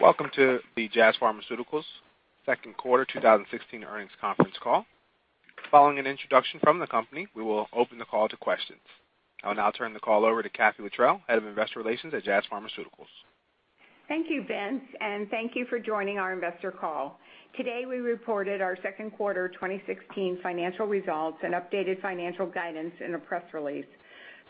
Welcome to the Jazz Pharmaceuticals second quarter 2016 earnings conference call. Following an introduction from the company, we will open the call to questions. I will now turn the call over to Kathy Luttrell, Head of Investor Relations at Jazz Pharmaceuticals. Thank you, Vince, and thank you for joining our investor call. Today, we reported our second quarter 2016 financial results and updated financial guidance in a press release.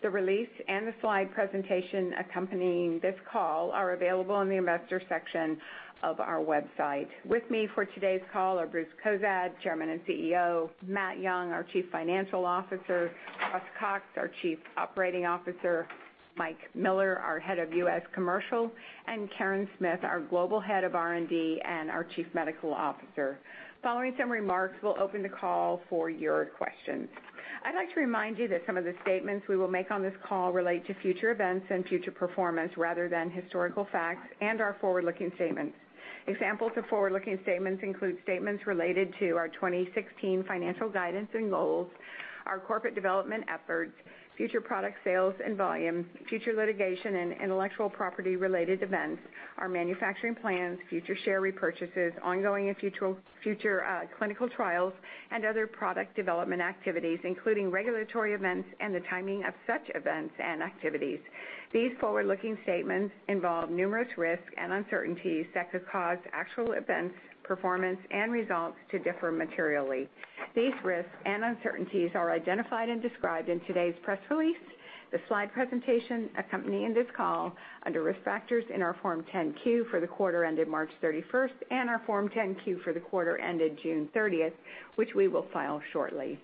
The release and the slide presentation accompanying this call are available in the Investor section of our website. With me for today's call are Bruce Cozadd, Chairman and CEO, Matt Young, our Chief Financial Officer, Russell Cox, our Chief Operating Officer, Michael Miller, our Head of U.S. Commercial, and Karen Smith, our Global Head of R&D and our Chief Medical Officer. Following some remarks, we'll open the call for your questions. I'd like to remind you that some of the statements we will make on this call relate to future events and future performance rather than historical facts and are forward-looking statements. Examples of forward-looking statements include statements related to our 2016 financial guidance and goals, our corporate development efforts, future product sales and volume, future litigation and intellectual property-related events, our manufacturing plans, future share repurchases, ongoing and future clinical trials, and other product development activities, including regulatory events and the timing of such events and activities. These forward-looking statements involve numerous risks and uncertainties that could cause actual events, performance, and results to differ materially. These risks and uncertainties are identified and described in today's press release, the slide presentation accompanying this call, under Risk Factors in our Form 10-Q for the quarter ended March 31, and our Form 10-Q for the quarter ended June 30, which we will file shortly.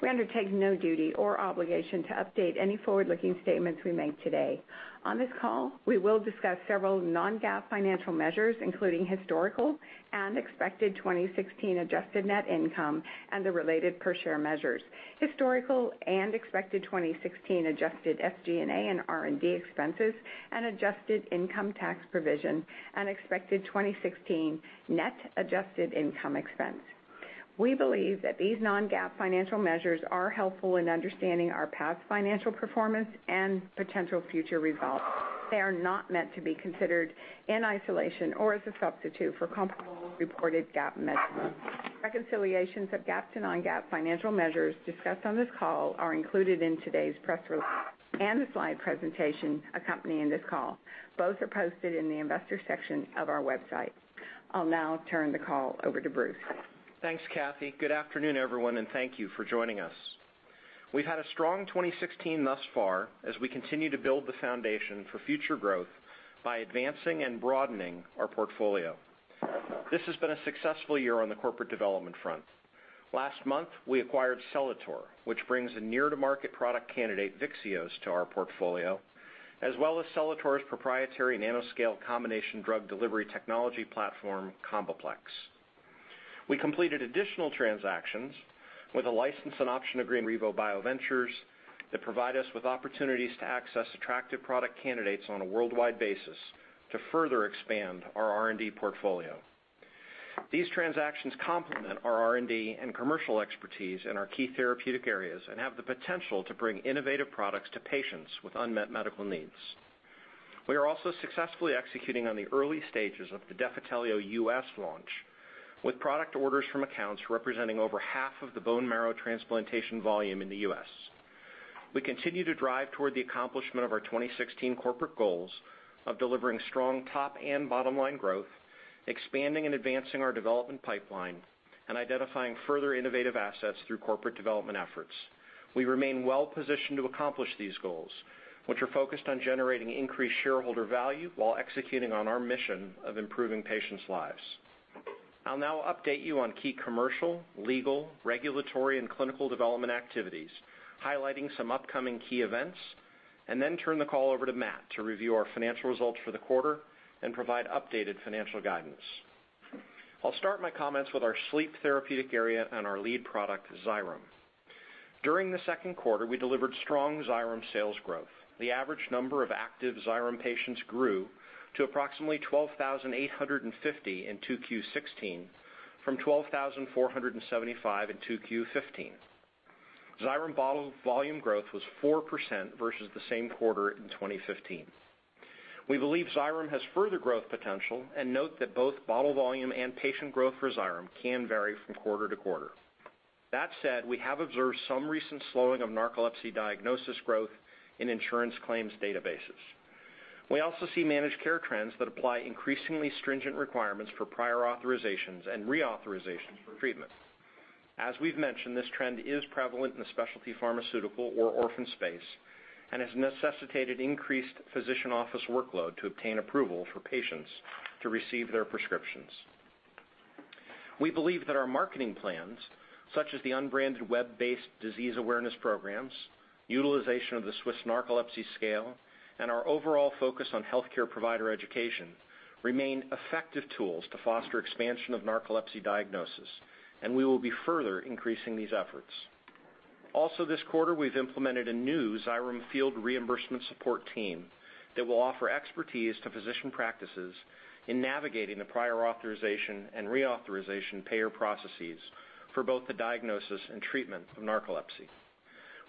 We undertake no duty or obligation to update any forward-looking statements we make today. On this call, we will discuss several Non-GAAP financial measures, including historical and expected 2016 adjusted net income and the related per share measures, historical and expected 2016 Adjusted SG&A and R&D expenses, and adjusted income tax provision, and expected 2016 net adjusted interest expense. We believe that these Non-GAAP financial measures are helpful in understanding our past financial performance and potential future results. They are not meant to be considered in isolation or as a substitute for comparable reported GAAP measures. Reconciliations of GAAP to Non-GAAP financial measures discussed on this call are included in today's press release and the slide presentation accompanying this call. Both are posted in the Investor section of our website. I'll now turn the call over to Bruce. Thanks, Kathy. Good afternoon, everyone, and thank you for joining us. We've had a strong 2016 thus far as we continue to build the foundation for future growth by advancing and broadening our portfolio. This has been a successful year on the corporate development front. Last month, we acquired Celator, which brings a near-to-market product candidate, Vyxeos, to our portfolio, as well as Celator's proprietary nanoscale combination drug delivery technology platform, CombiPlex. We completed additional transactions with a license and option agreement, rEVO Biologics, that provide us with opportunities to access attractive product candidates on a worldwide basis to further expand our R&D portfolio. These transactions complement our R&D and commercial expertise in our key therapeutic areas and have the potential to bring innovative products to patients with unmet medical needs. We are also successfully executing on the early stages of the Defitelio U.S. launch, with product orders from accounts representing over half of the bone marrow transplantation volume in the U.S. We continue to drive toward the accomplishment of our 2016 corporate goals of delivering strong top and bottom-line growth, expanding and advancing our development pipeline, and identifying further innovative assets through corporate development efforts. We remain well positioned to accomplish these goals, which are focused on generating increased shareholder value while executing on our mission of improving patients' lives. I'll now update you on key commercial, legal, regulatory, and clinical development activities, highlighting some upcoming key events, and then turn the call over to Matt to review our financial results for the quarter and provide updated financial guidance. I'll start my comments with our sleep therapeutic area and our lead product, Xyrem. During the second quarter, we delivered strong Xyrem sales growth. The average number of active Xyrem patients grew to approximately 12,850 in 2Q16 from 12,475 in 2Q15. Xyrem bottle volume growth was 4% versus the same quarter in 2015. We believe Xyrem has further growth potential and note that both bottle volume and patient growth for Xyrem can vary from quarter to quarter. That said, we have observed some recent slowing of narcolepsy diagnosis growth in insurance claims databases. We also see managed care trends that apply increasingly stringent requirements for prior authorizations and reauthorizations for treatment. As we've mentioned, this trend is prevalent in the specialty pharmaceutical or orphan space and has necessitated increased physician office workload to obtain approval for patients to receive their prescriptions. We believe that our marketing plans, such as the unbranded web-based disease awareness programs, utilization of the Swiss Narcolepsy Scale, and our overall focus on healthcare provider education remain effective tools to foster expansion of narcolepsy diagnosis, and we will be further increasing these efforts. Also, this quarter, we've implemented a new Xyrem field reimbursement support team that will offer expertise to physician practices in navigating the prior authorization and reauthorization payer processes for both the diagnosis and treatment of narcolepsy.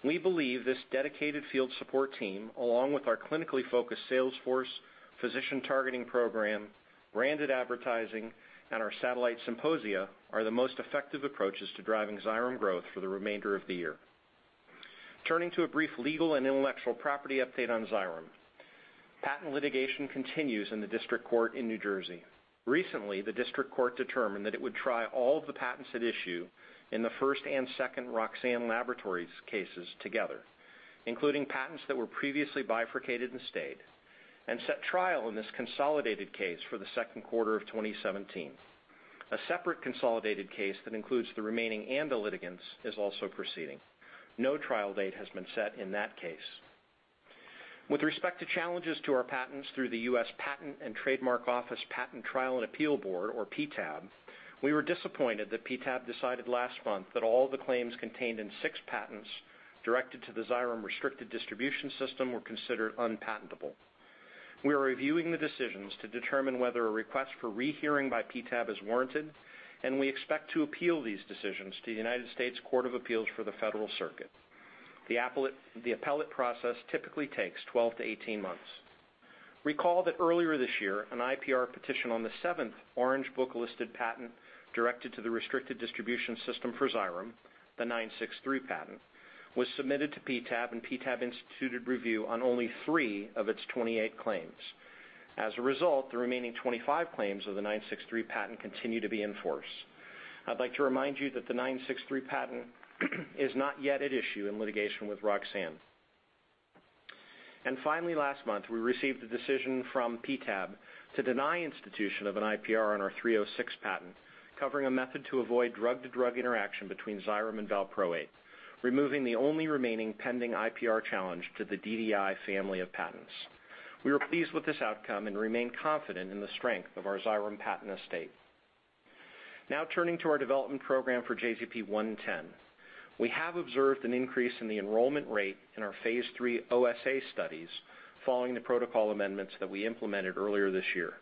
We believe this dedicated field support team, along with our clinically focused sales force, physician targeting program, branded advertising, and our satellite symposia, are the most effective approaches to driving Xyrem growth for the remainder of the year. Turning to a brief legal and intellectual property update on Xyrem. Patent litigation continues in the district court in New Jersey. Recently, the district court determined that it would try all of the patents at issue in the first and second Roxane Laboratories cases together, including patents that were previously bifurcated and stayed, and set trial in this consolidated case for the second quarter of 2017. A separate consolidated case that includes the remaining ANDAs and the litigants is also proceeding. No trial date has been set in that case. With respect to challenges to our patents through the U.S. Patent and Trademark Office Patent Trial and Appeal Board, or PTAB, we were disappointed that PTAB decided last month that all the claims contained in six patents directed to the Xyrem restricted distribution system were considered unpatentable. We are reviewing the decisions to determine whether a request for rehearing by PTAB is warranted, and we expect to appeal these decisions to the United States Court of Appeals for the Federal Circuit. The appellate process typically takes 12-18 months. Recall that earlier this year, an IPR petition on the seventh Orange Book-listed patent directed to the restricted distribution system for Xyrem, the 963 patent, was submitted to PTAB, and PTAB instituted review on only three of its 28 claims. As a result, the remaining 25 claims of the nine-six-three patent continue to be in force. I'd like to remind you that the nine-six-three patent is not yet at issue in litigation with Roxane. Finally, last month, we received a decision from PTAB to deny institution of an IPR on our 306 patent, covering a method to avoid drug-to-drug interaction between Xyrem and valproate, removing the only remaining pending IPR challenge to the DDI family of patents. We are pleased with this outcome and remain confident in the strength of our Xyrem patent estate. Now turning to our development program for JZP-110. We have observed an increase in the enrollment rate in our phase lll OSA studies following the protocol amendments that we implemented earlier this year.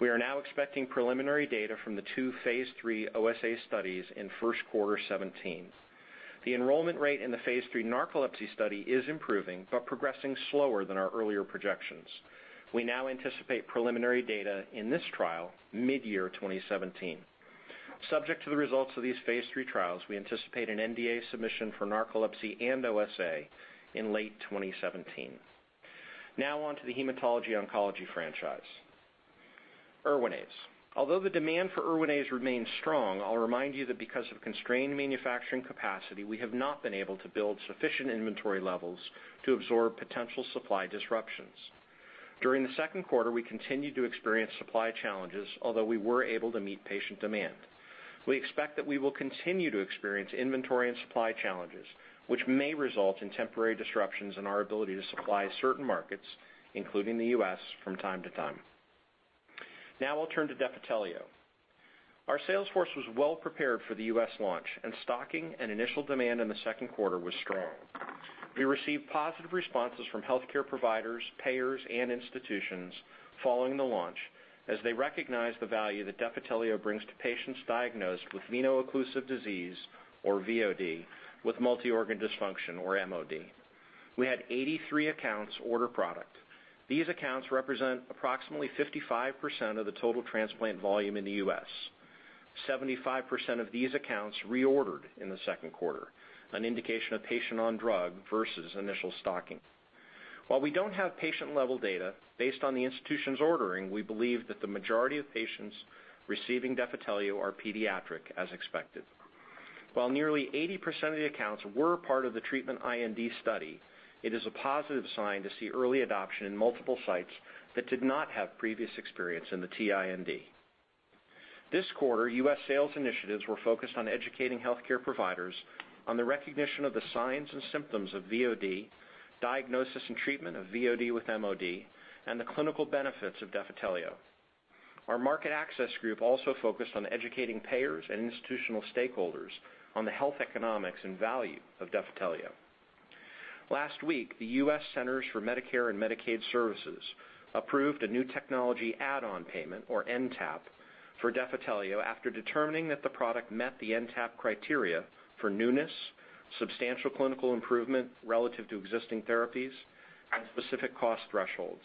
We are now expecting preliminary data from the two phase lll OSA studies in first quarter 2017. The enrollment rate in the phase lll narcolepsy study is improving but progressing slower than our earlier projections. We now anticipate preliminary data in this trial mid-year 2017. Subject to the results of these phase lll trials, we anticipate an NDA submission for narcolepsy and OSA in late 2017. Now on to the Hematology Oncology franchise. Erwinaze. Although the demand for Erwinaze remains strong, I'll remind you that because of constrained manufacturing capacity, we have not been able to build sufficient inventory levels to absorb potential supply disruptions. During the second quarter, we continued to experience supply challenges, although we were able to meet patient demand. We expect that we will continue to experience inventory and supply challenges, which may result in temporary disruptions in our ability to supply certain markets, including the U.S., from time to time. Now I'll turn to Defitelio. Our sales force was well prepared for the U.S. launch, and stocking and initial demand in the second quarter was strong. We received positive responses from healthcare providers, payers, and institutions following the launch, as they recognized the value that Defitelio brings to patients diagnosed with veno-occlusive disease, or VOD, with multi-organ dysfunction, or MOD. We had 83 accounts order product. These accounts represent approximately 55% of the total transplant volume in the U.S. 75% of these accounts reordered in the second quarter, an indication of patient on drug versus initial stocking. While we don't have patient-level data, based on the institutions ordering, we believe that the majority of patients receiving Defitelio are pediatric, as expected. While nearly 80% of the accounts were part of the treatment IND study, it is a positive sign to see early adoption in multiple sites that did not have previous experience in the IND. This quarter, U.S. sales initiatives were focused on educating healthcare providers on the recognition of the signs and symptoms of VOD, diagnosis and treatment of VOD with MOD, and the clinical benefits of Defitelio. Our market access group also focused on educating payers and institutional stakeholders on the health economics and value of Defitelio. Last week, the U.S. Centers for Medicare & Medicaid Services approved a new technology add-on payment, or NTAP, for Defitelio after determining that the product met the NTAP criteria for newness, substantial clinical improvement relative to existing therapies, and specific cost thresholds.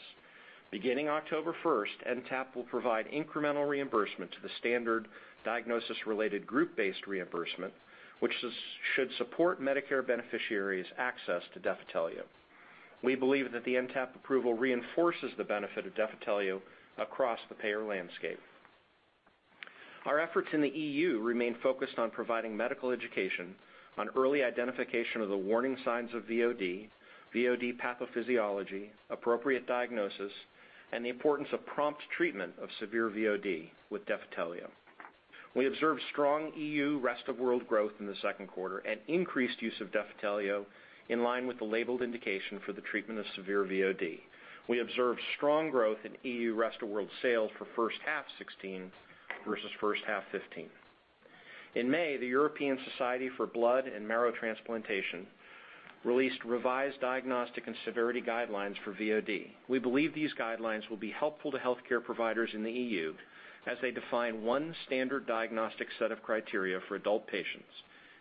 Beginning October first, NTAP will provide incremental reimbursement to the standard diagnosis-related group-based reimbursement, which is, should support Medicare beneficiaries' access to Defitelio. We believe that the NTAP approval reinforces the benefit of Defitelio across the payer landscape. Our efforts in the EU remain focused on providing medical education on early identification of the warning signs of VOD pathophysiology, appropriate diagnosis, and the importance of prompt treatment of severe VOD with Defitelio. We observed strong EU rest of world growth in the second quarter and increased use of Defitelio in line with the labeled indication for the treatment of severe VOD. We observed strong growth in EU rest of world sales for first half 2016 versus first half 2015. In May, the European Society for Blood and Marrow Transplantation released revised diagnostic and severity guidelines for VOD. We believe these guidelines will be helpful to healthcare providers in the EU as they define one standard diagnostic set of criteria for adult patients,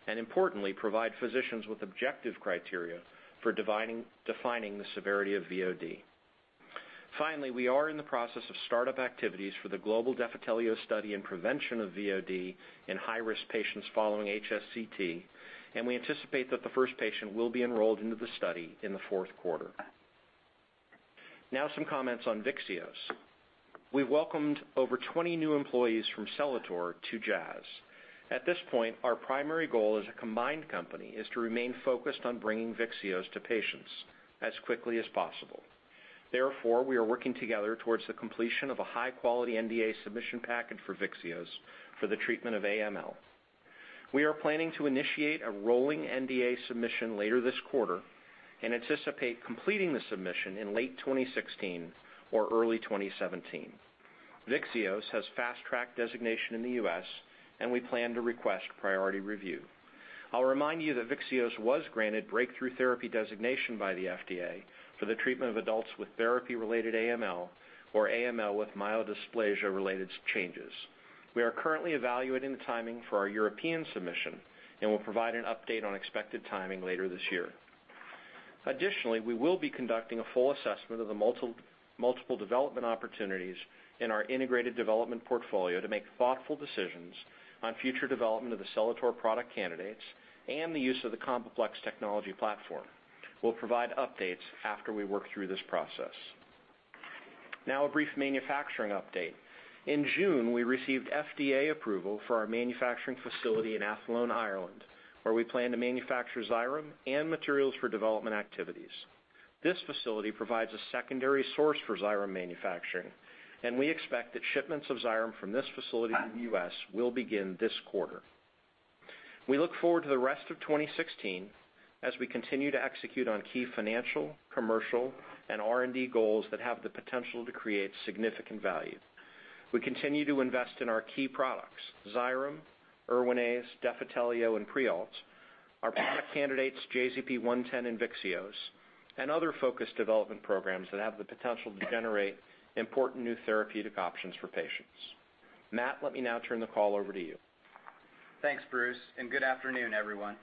and importantly, provide physicians with objective criteria for defining the severity of VOD. We are in the process of startup activities for the global Defitelio study and prevention of VOD in high-risk patients following HSCT, and we anticipate that the first patient will be enrolled into the study in the fourth quarter. Now some comments on Vyxeos. We've welcomed over 20 new employees from Celator to Jazz. At this point, our primary goal as a combined company is to remain focused on bringing Vyxeos to patients as quickly as possible. Therefore, we are working together towards the completion of a high-quality NDA submission package for Vyxeos for the treatment of AML. We are planning to initiate a rolling NDA submission later this quarter and anticipate completing the submission in late 2016 or early 2017. Vyxeos has Fast Track designation in the U.S., and we plan to request priority review. I'll remind you that Vyxeos was granted breakthrough therapy designation by the FDA for the treatment of adults with therapy-related AML or AML with myelodysplasia-related changes. We are currently evaluating the timing for our European submission and will provide an update on expected timing later this year. Additionally, we will be conducting a full assessment of the multiple development opportunities in our integrated development portfolio to make thoughtful decisions on future development of the Celator product candidates and the use of the CombiPlex technology platform. We'll provide updates after we work through this process. Now a brief manufacturing update. In June, we received FDA approval for our manufacturing facility in Athlone, Ireland, where we plan to manufacture Xyrem and materials for development activities. This facility provides a secondary source for Xyrem manufacturing, and we expect that shipments of Xyrem from this facility to the U.S. will begin this quarter. We look forward to the rest of 2016 as we continue to execute on key financial, commercial, and R&D goals that have the potential to create significant value. We continue to invest in our key products, Xyrem, Erwinaze, Defitelio and Prialt, our product candidates JZP-110 and Vyxeos, and other focused development programs that have the potential to generate important new therapeutic options for patients. Matt, let me now turn the call over to you. Thanks, Bruce, and good afternoon, everyone.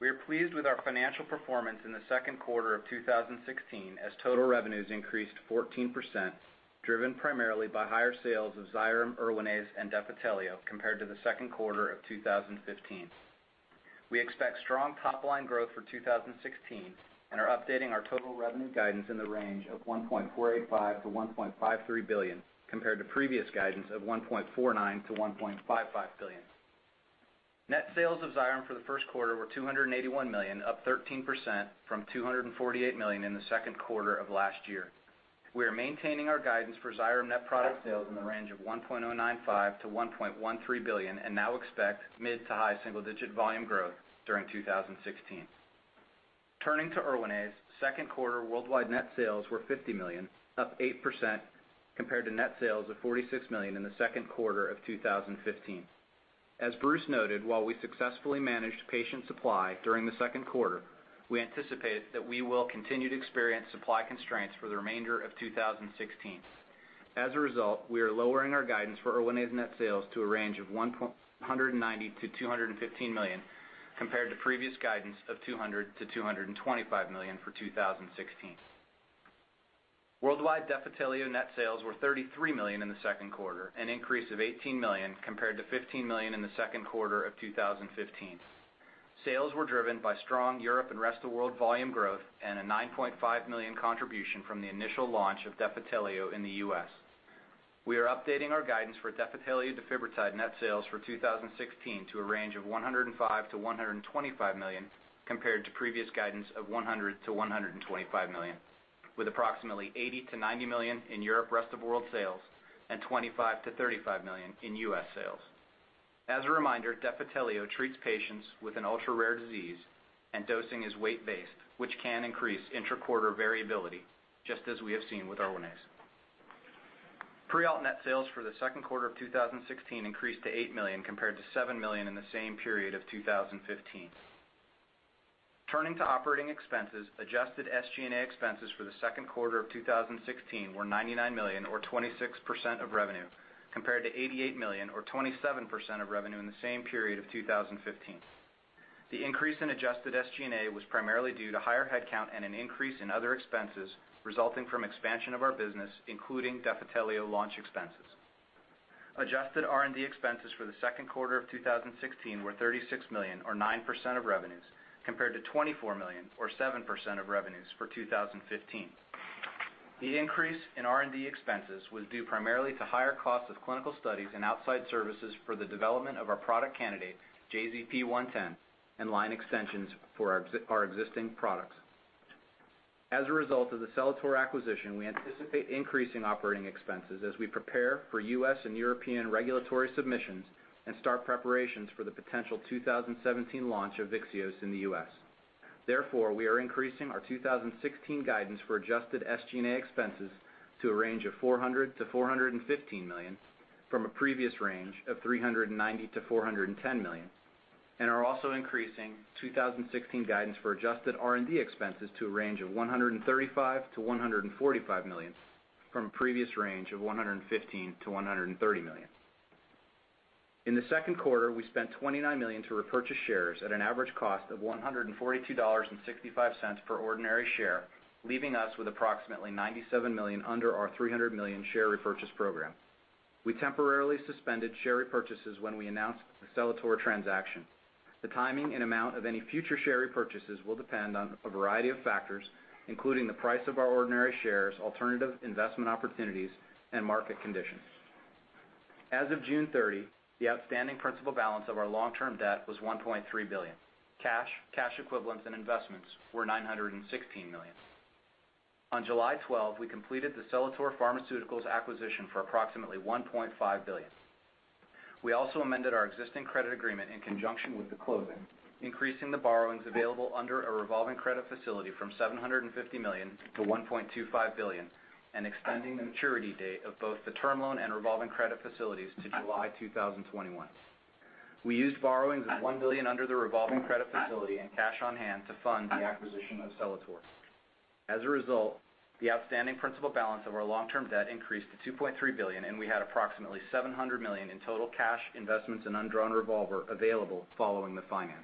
We are pleased with our financial performance in the second quarter of 2016 as total revenues increased 14%, driven primarily by higher sales of Xyrem, Erwinaze and Defitelio compared to the second quarter of 2015. We expect strong top-line growth for 2016 and are updating our total revenue guidance in the range of $1.485 billion-$1.53 billion, compared to previous guidance of $1.49 billion-$1.55 billion. Net sales of Xyrem for the first quarter were $281 million, up 13% from $248 million in the second quarter of last year. We are maintaining our guidance for Xyrem net product sales in the range of $1.095 billion-$1.13 billion and now expect mid- to high single-digit volume growth during 2016. Turning to Erwinaze, second quarter worldwide net sales were $50 million, up 8% compared to net sales of $46 million in the second quarter of 2015. As Bruce noted, while we successfully managed patient supply during the second quarter, we anticipate that we will continue to experience supply constraints for the remainder of 2016. As a result, we are lowering our guidance for Erwinaze net sales to a range of $190 million-$215 million compared to previous guidance of $200 million-$225 million for 2016. Worldwide Defitelio net sales were $33 million in the second quarter, an increase of $18 million compared to $15 million in the second quarter of 2015. Sales were driven by strong Europe and rest of world volume growth and a $9.5 million contribution from the initial launch of Defitelio in the U.S. We are updating our guidance for Defitelio defibrotide net sales for 2016 to a range of $105 million-$125 million compared to previous guidance of $100 million-$125 million, with approximately $80 million-$90 million in Europe, rest of world sales and $25 million-$35 million in U.S. sales. As a reminder, Defitelio treats patients with an ultra-rare disease and dosing is weight-based, which can increase intra-quarter variability, just as we have seen with Erwinaze. Prialt net sales for the second quarter of 2016 increased to $8 million compared to $7 million in the same period of 2015. Turning to operating expenses, Adjusted SG&A expenses for the second quarter of 2016 were $99 million or 26% of revenue, compared to $88 million or 27% of revenue in the same period of 2015. The increase in Adjusted SG&A was primarily due to higher headcount and an increase in other expenses resulting from expansion of our business, including Defitelio launch expenses. Adjusted R&D expenses for the second quarter of 2016 were $36 million or 9% of revenues, compared to $24 million or 7% of revenues for 2015. The increase in R&D expenses was due primarily to higher costs of clinical studies and outside services for the development of our product candidate, JZP-110, and line extensions for our existing products. As a result of the Celator acquisition, we anticipate increasing operating expenses as we prepare for U.S. and European regulatory submissions and start preparations for the potential 2017 launch of Vyxeos in the U.S. Therefore, we are increasing our 2016 guidance for Adjusted SG&A expenses to a range of $400 million-$415 million from a previous range of $390 million-$410 million, and are also increasing 2016 guidance for adjusted R&D expenses to a range of $135 million-$145 million from a previous range of $115 million-$130 million. In the second quarter, we spent $29 million to repurchase shares at an average cost of $142.65 per ordinary share, leaving us with approximately $97 million under our $300 million share repurchase program. We temporarily suspended share repurchases when we announced the Celator transaction. The timing and amount of any future share repurchases will depend on a variety of factors, including the price of our ordinary shares, alternative investment opportunities, and market conditions. As of June 30, the outstanding principal balance of our long-term debt was $1.3 billion. Cash, cash equivalents, and investments were $916 million. On July 12, we completed the Celator Pharmaceuticals acquisition for approximately $1.5 billion. We also amended our existing credit agreement in conjunction with the closing, increasing the borrowings available under a revolving credit facility from $750 million to $1.25 billion and extending the maturity date of both the term loan and revolving credit facilities to July 2021. We used borrowings of $1 billion under the revolving credit facility and cash on hand to fund the acquisition of Celator. As a result, the outstanding principal balance of our long-term debt increased to $2.3 billion, and we had approximately $700 million in total cash investments and undrawn revolver available following the financing.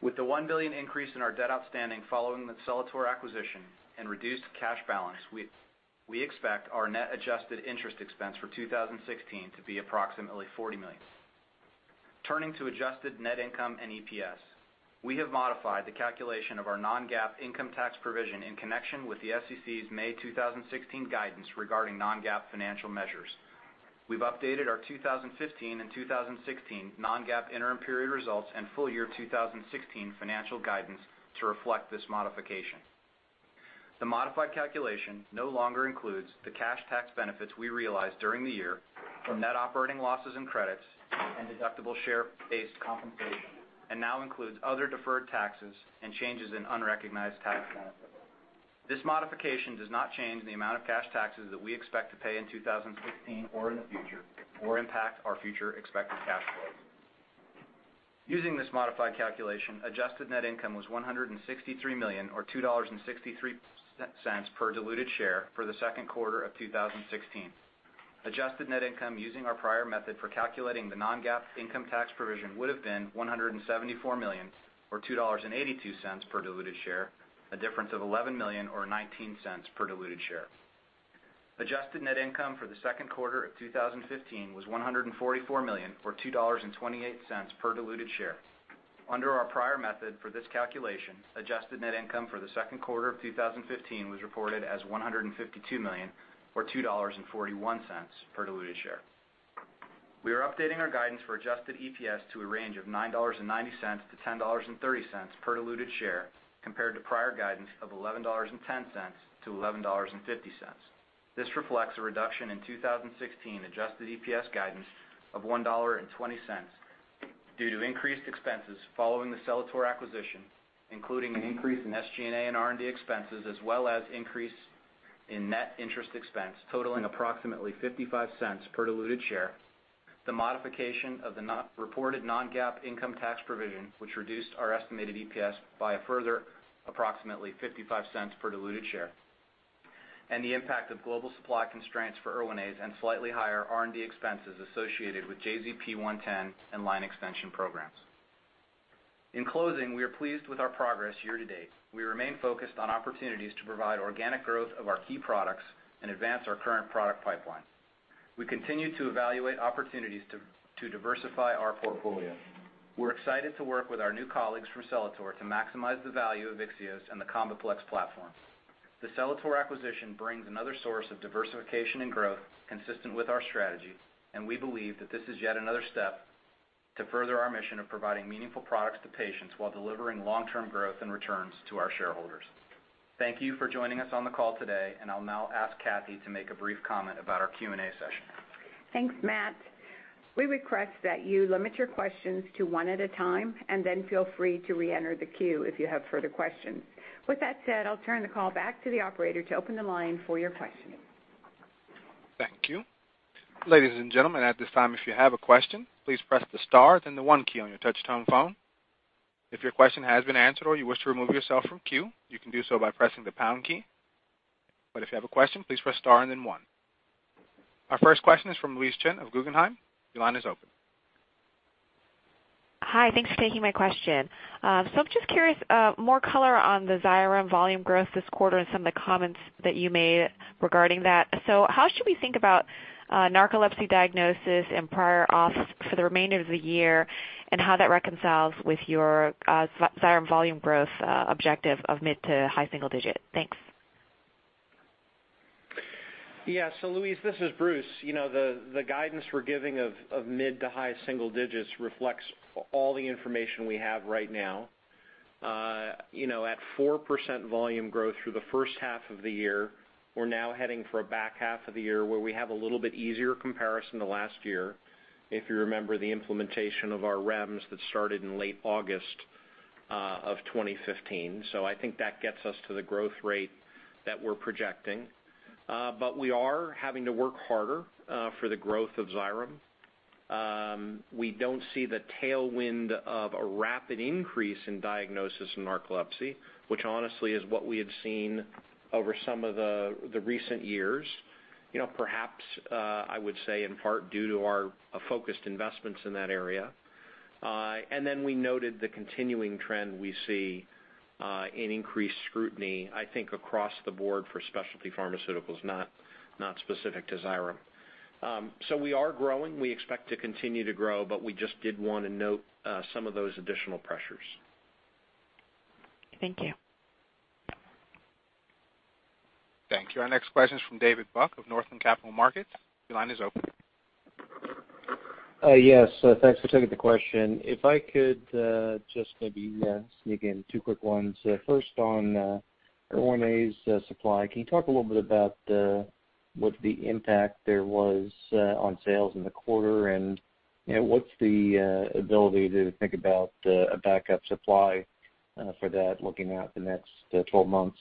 With the $1 billion increase in our debt outstanding following the Celator acquisition and reduced cash balance, we expect our net adjusted interest expense for 2016 to be approximately $40 million. Turning to adjusted net income and EPS, we have modified the calculation of our Non-GAAP income tax provision in connection with the SEC's May 2016 guidance regarding Non-GAAP financial measures. We've updated our 2015 and 2016 Non-GAAP interim period results and full year 2016 financial guidance to reflect this modification. The modified calculation no longer includes the cash tax benefits we realized during the year from net operating losses and credits and deductible share-based compensation, and now includes other deferred taxes and changes in unrecognized tax benefits. This modification does not change the amount of cash taxes that we expect to pay in 2016 or in the future or impact our future expected cash flows. Using this modified calculation, adjusted net income was $163 million or $2.63 per diluted share for the second quarter of 2016. Adjusted net income using our prior method for calculating the Non-GAAP income tax provision would have been $174 million or $2.82 per diluted share, a difference of $11 million or $0.19 per diluted share. Adjusted net income for the second quarter of 2015 was $144 million or $2.28 per diluted share. Under our prior method for this calculation, adjusted net income for the second quarter of 2015 was reported as $152 million or $2.41 per diluted share. We are updating our guidance for Adjusted EPS to a range of $9.90-$10.30 per diluted share compared to prior guidance of $11.10-$11.50. This reflects a reduction in 2016 Adjusted EPS guidance of $1.20 due to increased expenses following the Celator acquisition, including an increase in SG&A and R&D expenses, as well as increase in net interest expense totaling approximately $0.55 per diluted share, the modification of the non-reported Non-GAAP income tax provision, which reduced our estimated EPS by a further approximately $0.55 per diluted share, and the impact of global supply constraints for Erwinaze and slightly higher R&D expenses associated with JZP-110 and line extension programs. In closing, we are pleased with our progress year to date. We remain focused on opportunities to provide organic growth of our key products and advance our current product pipeline. We continue to evaluate opportunities to diversify our portfolio. We're excited to work with our new colleagues from Celator to maximize the value of Vyxeos and the CombiPlex platform. The Celator acquisition brings another source of diversification and growth consistent with our strategy, and we believe that this is yet another step to further our mission of providing meaningful products to patients while delivering long-term growth and returns to our shareholders. Thank you for joining us on the call today, and I'll now ask Kathy to make a brief comment about our Q&A session. Thanks, Matt. We request that you limit your questions to one at a time and then feel free to reenter the queue if you have further questions. With that said, I'll turn the call back to the Operator to open the line for your questioning. Thank you. Ladies and gentlemen, at this time, if you have a question, please press the star, then the one key on your touchtone phone. If your question has been answered or you wish to remove yourself from queue, you can do so by pressing the pound key. If you have a question, please press star and then one. Our first question is from Louise Chen of Guggenheim. Your line is open. Hi, thanks for taking my question. I'm just curious, more color on the Xyrem volume growth this quarter and some of the comments that you made regarding that. How should we think about narcolepsy diagnosis and prior auths for the remainder of the year and how that reconciles with your Xyrem volume growth objective of mid- to high-single-digit? Thanks. Yeah. Louise, this is Bruce. You know, the guidance we're giving of mid- to high-single digits reflects all the information we have right now. You know, at 4% volume growth through the first half of the year, we're now heading for a back half of the year where we have a little bit easier comparison to last year, if you remember the implementation of our REMS that started in late August of 2015. I think that gets us to the growth rate that we're projecting. We are having to work harder for the growth of Xyrem. We don't see the tailwind of a rapid increase in diagnosis in narcolepsy, which honestly is what we had seen over some of the recent years. You know, perhaps I would say in part due to our focused investments in that area. We noted the continuing trend we see in increased scrutiny, I think across the board for specialty pharmaceuticals, not specific to Xyrem. We are growing. We expect to continue to grow, but we just did wanna note some of those additional pressures. Thank you. Thank you. Our next question is from David Buck of Northland Capital Markets. Your line is open. Yes, thanks for taking the question. If I could just maybe sneak in two quick ones. First on Erwinaze supply. Can you talk a little bit about what the impact there was on sales in the quarter? And, you know, what's the ability to think about a backup supply for that looking out the next 12 months?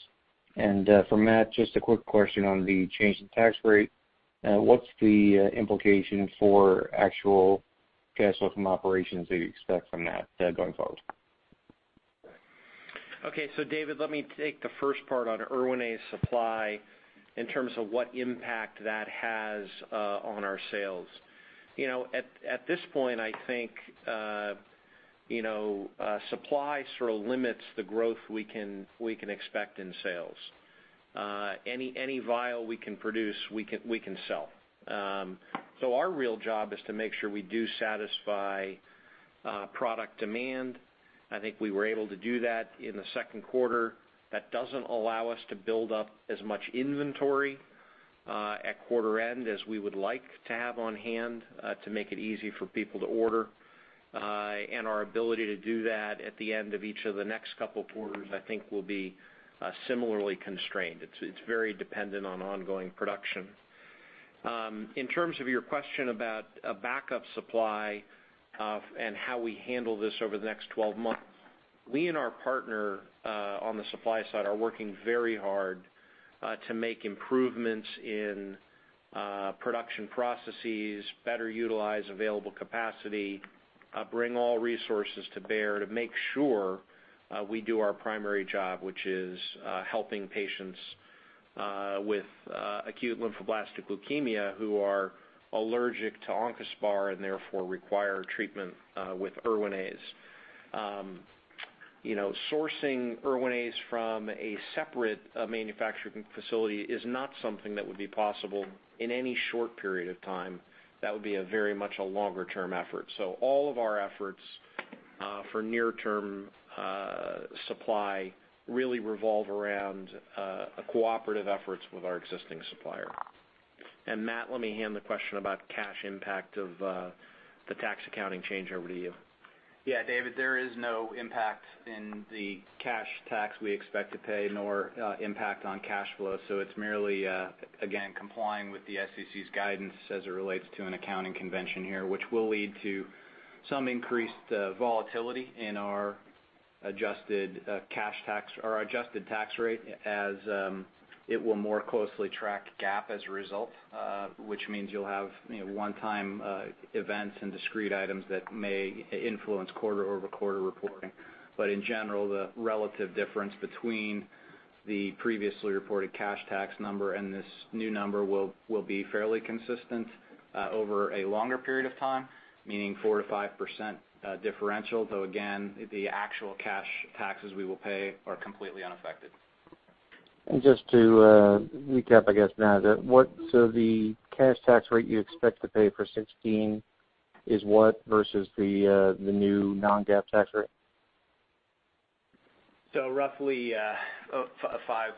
And for Matt, just a quick question on the change in tax rate. What's the implication for actual cash flow from operations that you expect from that going forward? Okay. David, let me take the first part on Erwinaze supply in terms of what impact that has on our sales. You know, at this point, I think, you know, supply sort of limits the growth we can expect in sales. Any vial we can produce, we can sell. Our real job is to make sure we do satisfy product demand. I think we were able to do that in the second quarter. That doesn't allow us to build up as much inventory at quarter end as we would like to have on hand to make it easy for people to order. Our ability to do that at the end of each of the next couple quarters, I think, will be similarly constrained. It's very dependent on ongoing production. In terms of your question about a backup supply, and how we handle this over the next 12 months, we and our partner, on the supply side are working very hard, to make improvements in, production processes, better utilize available capacity, bring all resources to bear to make sure, we do our primary job, which is, helping patients, with, acute lymphoblastic leukemia who are allergic to Oncaspar and therefore require treatment, with Erwinaze. You know, sourcing Erwinaze from a separate, manufacturing facility is not something that would be possible in any short period of time. That would be very much a longer-term effort. All of our efforts, for near-term, supply really revolve around, cooperative efforts with our existing supplier. Matt, let me hand the question about cash impact of the tax accounting change over to you. Yeah, David, there is no impact in the cash tax we expect to pay, nor impact on cash flow. It's merely, again, complying with the SEC's guidance as it relates to an accounting convention here, which will lead to some increased volatility in our adjusted cash tax or adjusted tax rate as it will more closely track GAAP as a result, which means you'll have, you know, one-time events and discrete items that may influence quarter-over-quarter reporting. In general, the relative difference between the previously reported cash tax number and this new number will be fairly consistent over a longer period of time, meaning 4%-5% differential, though again, the actual cash taxes we will pay are completely unaffected. Just to recap, I guess, Matt, what, so the cash tax rate you expect to pay for 2016 is what versus the new Non-GAAP tax rate? Roughly, a five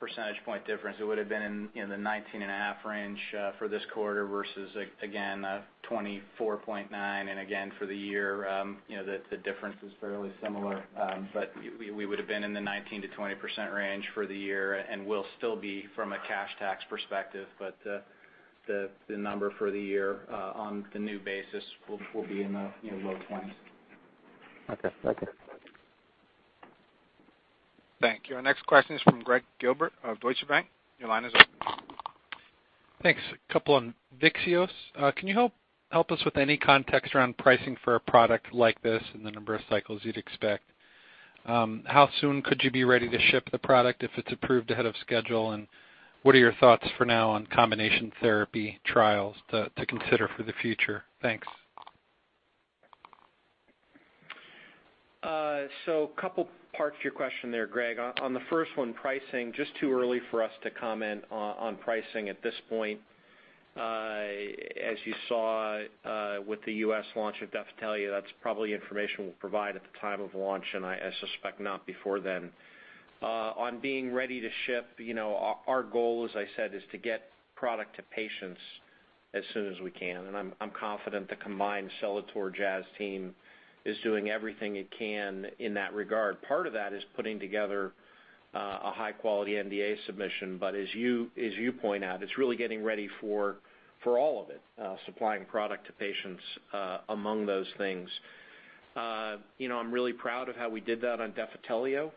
percentage point difference. It would have been in, you know, the 19.5% range for this quarter versus, again, 24.9%. Again, for the year, you know, the difference is fairly similar. But we would have been in the 19%-20% range for the year and will still be from a cash tax perspective. The number for the year, on the new basis, will be in the, you know, low 20s%. Okay. Thank you. Thank you. Our next question is from Gregg Gilbert of Deutsche Bank. Your line is open. Thanks. A couple on Vyxeos. Can you help us with any context around pricing for a product like this and the number of cycles you'd expect? How soon could you be ready to ship the product if it's approved ahead of schedule? What are your thoughts for now on combination therapy trials to consider for the future? Thanks. Couple parts to your question there, Gregg. On the first one, pricing, just too early for us to comment on pricing at this point. As you saw, with the U.S. launch of Defitelio, that's probably information we'll provide at the time of launch, and I suspect not before then. On being ready to ship, you know, our goal, as I said, is to get product to patients as soon as we can, and I'm confident the combined Celator Jazz team is doing everything it can in that regard. Part of that is putting together a high-quality NDA submission. But as you point out, it's really getting ready for all of it, supplying product to patients, among those things. You know, I'm really proud of how we did that on Defitelio.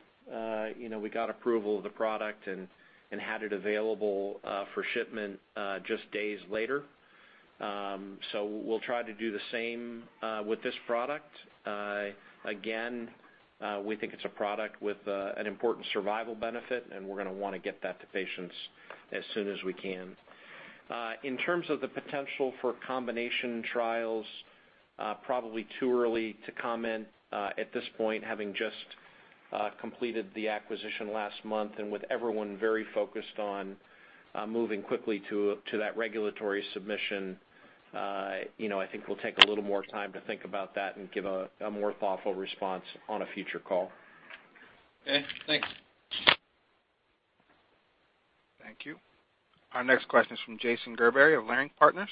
You know, we got approval of the product and had it available for shipment just days later. We'll try to do the same with this product. Again, we think it's a product with an important survival benefit, and we're gonna wanna get that to patients as soon as we can. In terms of the potential for combination trials, probably too early to comment at this point, having just completed the acquisition last month and with everyone very focused on moving quickly to that regulatory submission. You know, I think we'll take a little more time to think about that and give a more thoughtful response on a future call. Okay, thanks. Thank you. Our next question is from Jason Gerberry of Leerink Partners.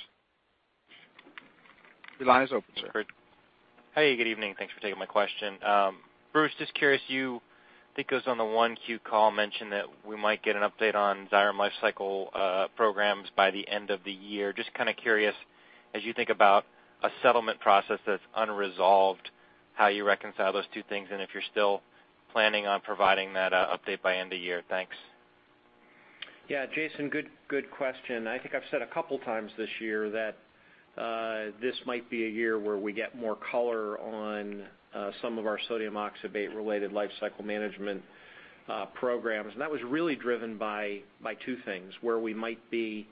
Your line is open, sir. Hey, good evening. Thanks for taking my question. Bruce, just curious, you think it was on the 1Q call mentioned that we might get an update on Xyrem lifecycle programs by the end of the year. Just kinda curious, as you think about a settlement process that's unresolved, how you reconcile those two things, and if you're still planning on providing that update by end of year. Thanks. Yeah, Jason, good question. I think I've said a couple times this year that this might be a year where we get more color on some of our sodium oxybate-related lifecycle management programs. That was really driven by two things, where we might be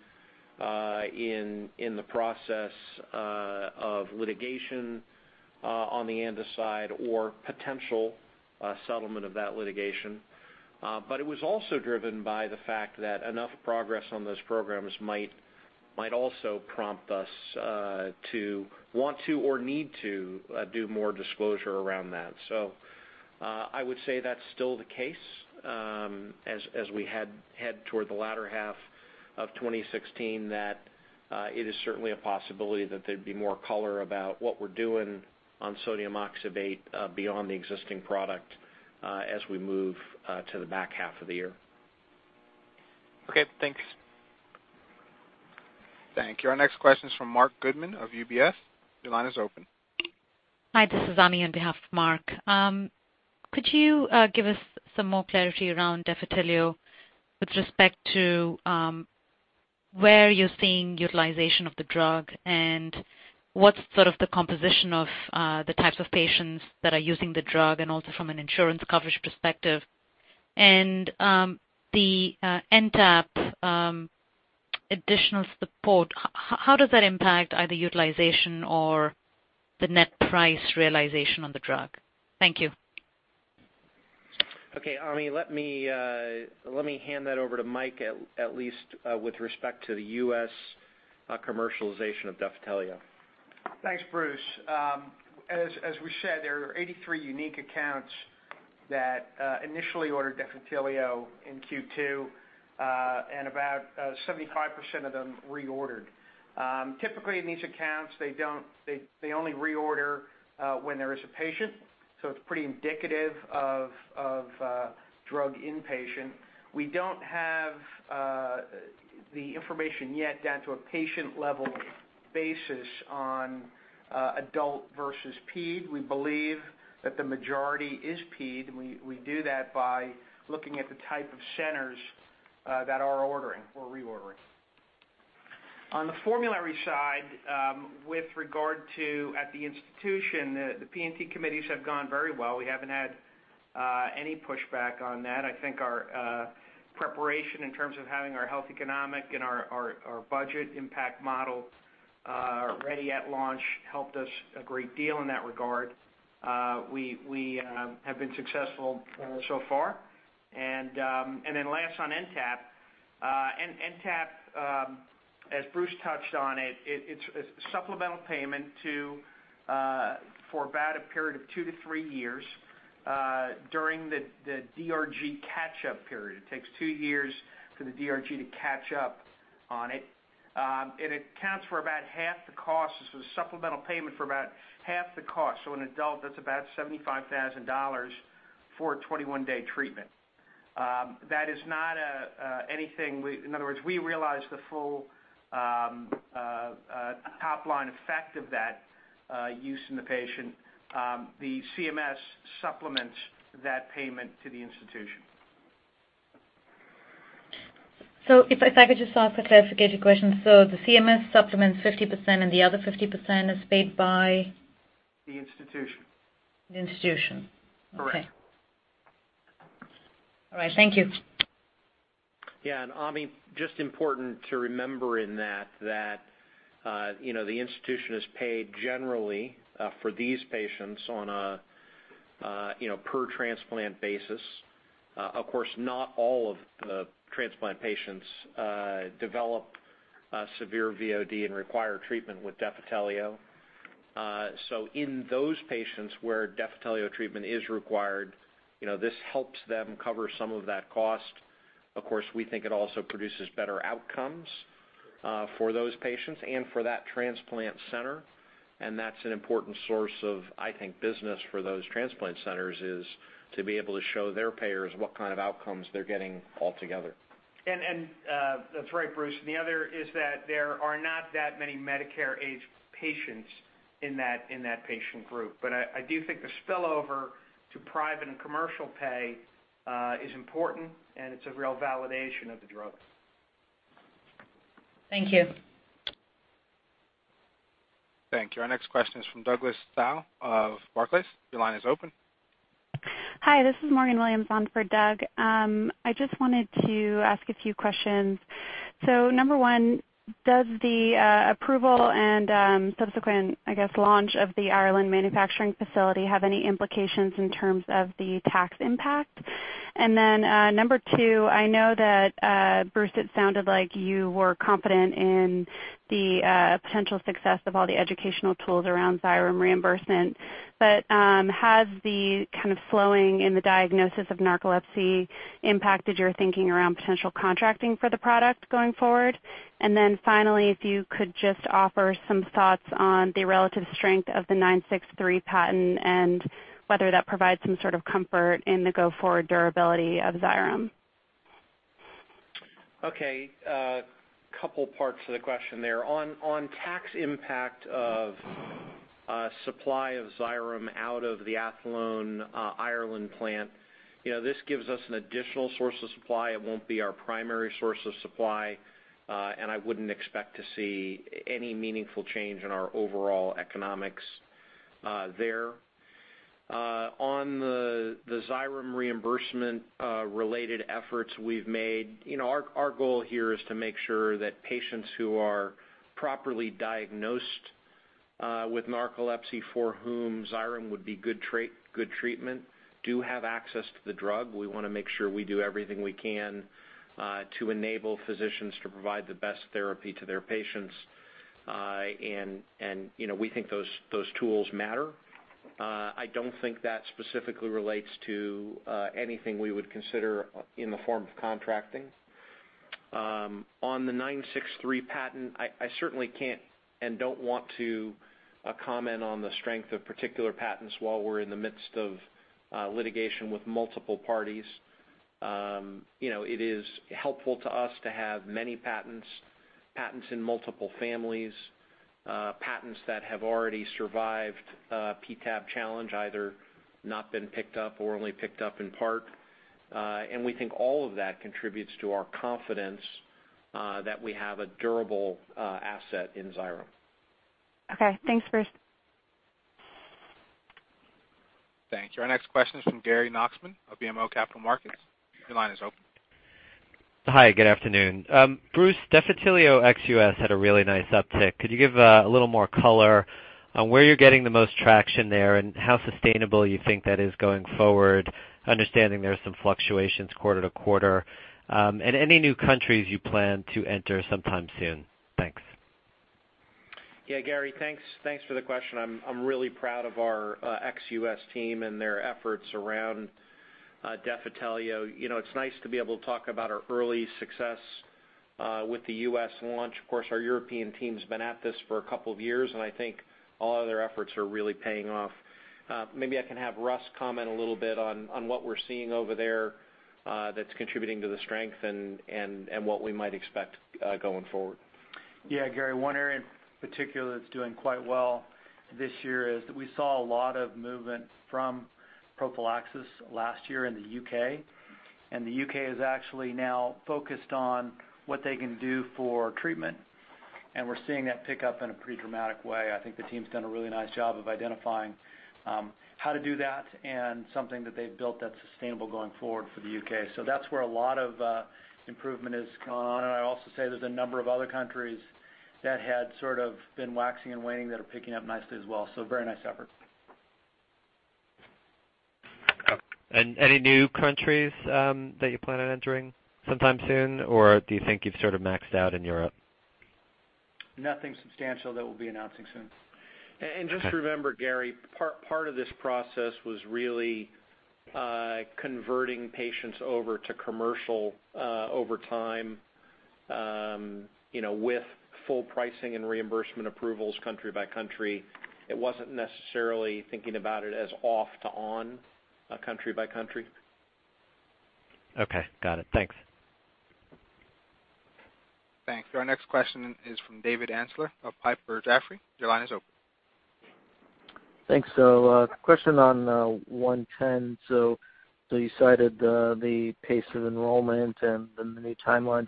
in the process of litigation on the ANDAs side or potential settlement of that litigation. It was also driven by the fact that enough progress on those programs might also prompt us to want to or need to do more disclosure around that. I would say that's still the case, as we head toward the latter half of 2016 that it is certainly a possibility that there'd be more color about what we're doing on sodium oxybate beyond the existing product, as we move to the back half of the year. Okay, thanks. Thank you. Our next question is from Marc Goodman of UBS. Your line is open. Hi, this is Ami on behalf of Marc. Could you give us some more clarity around Defitelio with respect to where you're seeing utilization of the drug and what's sort of the composition of the types of patients that are using the drug and also from an insurance coverage perspective? The NTAP additional support, how does that impact either utilization or the net price realization on the drug? Thank you. Okay, Ami, let me hand that over to Mike at least with respect to the U.S. commercialization of Defitelio. Thanks, Bruce. As we said, there are 83 unique accounts that initially ordered Defitelio in Q2, and about 75% of them reordered. Typically in these accounts, they only reorder when there is a patient, so it's pretty indicative of drug inpatients. We don't have the information yet down to a patient-level basis on adult versus ped. We believe that the majority is ped, and we do that by looking at the type of centers that are ordering or reordering. On the formulary side, with regard to the institution, the P&T committees have gone very well. We haven't had any pushback on that. I think our preparation in terms of having our health economic and our budget impact model ready at launch helped us a great deal in that regard. We have been successful so far. Then last on NTAP. NTAP, as Bruce touched on it's a supplemental payment for about a period of 2-3 years during the DRG catch-up period. It takes 2 years for the DRG to catch up on it. It counts for about half the cost. This is a supplemental payment for about half the cost. So an adult, that's about $75,000 for a 21-day treatment. That is not a anything we. In other words, we realize the full top-line effect of that use in the patient. The CMS supplements that payment to the institution. If I could just ask a clarification question. The CMS supplements 50% and the other 50% is paid by? The institution. The institution. Correct. Okay. All right. Thank you. Yeah. Ami, just important to remember in that, you know, the institution is paid generally for these patients on a, you know, per transplant basis. Of course, not all of the transplant patients develop severe VOD and require treatment with Defitelio. So in those patients where Defitelio treatment is required, you know, this helps them cover some of that cost. Of course, we think it also produces better outcomes for those patients and for that transplant center. That's an important source of, I think, business for those transplant centers is to be able to show their payers what kind of outcomes they're getting altogether. That's right, Bruce. The other is that there are not that many Medicare-aged patients. In that patient group. I do think the spillover to private and commercial pay is important, and it's a real validation of the drug. Thank you. Thank you. Our next question is from Douglas Tsao of Barclays. Your line is open. Hi, this is Morgan Williams on for Doug. I just wanted to ask a few questions. Number one, does the approval and subsequent, I guess, launch of the Ireland manufacturing facility have any implications in terms of the tax impact? Number two, I know that, Bruce, it sounded like you were confident in the potential success of all the educational tools around Xyrem reimbursement. Has the kind of slowing in the diagnosis of narcolepsy impacted your thinking around potential contracting for the product going forward? Finally, if you could just offer some thoughts on the relative strength of the 963 patent and whether that provides some sort of comfort in the go-forward durability of Xyrem. Okay. Couple parts to the question there. On tax impact of supply of Xyrem out of the Athlone, Ireland plant, you know, this gives us an additional source of supply. It won't be our primary source of supply, and I wouldn't expect to see any meaningful change in our overall economics there. On the Xyrem reimbursement related efforts we've made, you know, our goal here is to make sure that patients who are properly diagnosed with narcolepsy for whom Xyrem would be good treatment do have access to the drug. We wanna make sure we do everything we can to enable physicians to provide the best therapy to their patients. You know, we think those tools matter. I don't think that specifically relates to anything we would consider in the form of contracting. On the 963 patent, I certainly can't and don't want to comment on the strength of particular patents while we're in the midst of litigation with multiple parties. You know, it is helpful to us to have many patents in multiple families, patents that have already survived a PTAB challenge, either not been picked up or only picked up in part. We think all of that contributes to our confidence that we have a durable asset in Xyrem. Okay. Thanks, Bruce. Thank you. Our next question is from Gary Nachman of BMO Capital Markets. Your line is open. Hi, good afternoon. Bruce, Defitelio ex U.S. Had a really nice uptick. Could you give a little more color on where you're getting the most traction there and how sustainable you think that is going forward, understanding there are some fluctuations quarter to quarter, and any new countries you plan to enter sometime soon? Thanks. Yeah, Gary, thanks. Thanks for the question. I'm really proud of our ex-U.S. team and their efforts around Defitelio. You know, it's nice to be able to talk about our early success with the U.S. launch. Of course, our European team's been at this for a couple of years, and I think all of their efforts are really paying off. Maybe I can have Russ comment a little bit on what we're seeing over there that's contributing to the strength and what we might expect going forward. Yeah, Gary. One area in particular that's doing quite well this year is that we saw a lot of movement from prophylaxis last year in the U.K., and the U.K. Is actually now focused on what they can do for treatment, and we're seeing that pick up in a pretty dramatic way. I think the team's done a really nice job of identifying how to do that and something that they've built that's sustainable going forward for the U.K.. That's where a lot of improvement is going on. I'll also say there's a number of other countries that had sort of been waxing and waning that are picking up nicely as well. Very nice effort. Okay. Any new countries that you plan on entering sometime soon, or do you think you've sort of maxed out in Europe? Nothing substantial that we'll be announcing soon. Just remember, Gary, part of this process was really converting patients over to commercial over time, you know, with full pricing and reimbursement approvals country by country. It wasn't necessarily thinking about it as off to on, country by country. Okay. Got it. Thanks. Thanks. Our next question is from David Amsellem of Piper Jaffray. Your line is open. Thanks. Question on 110. You cited the pace of enrollment and the new timelines.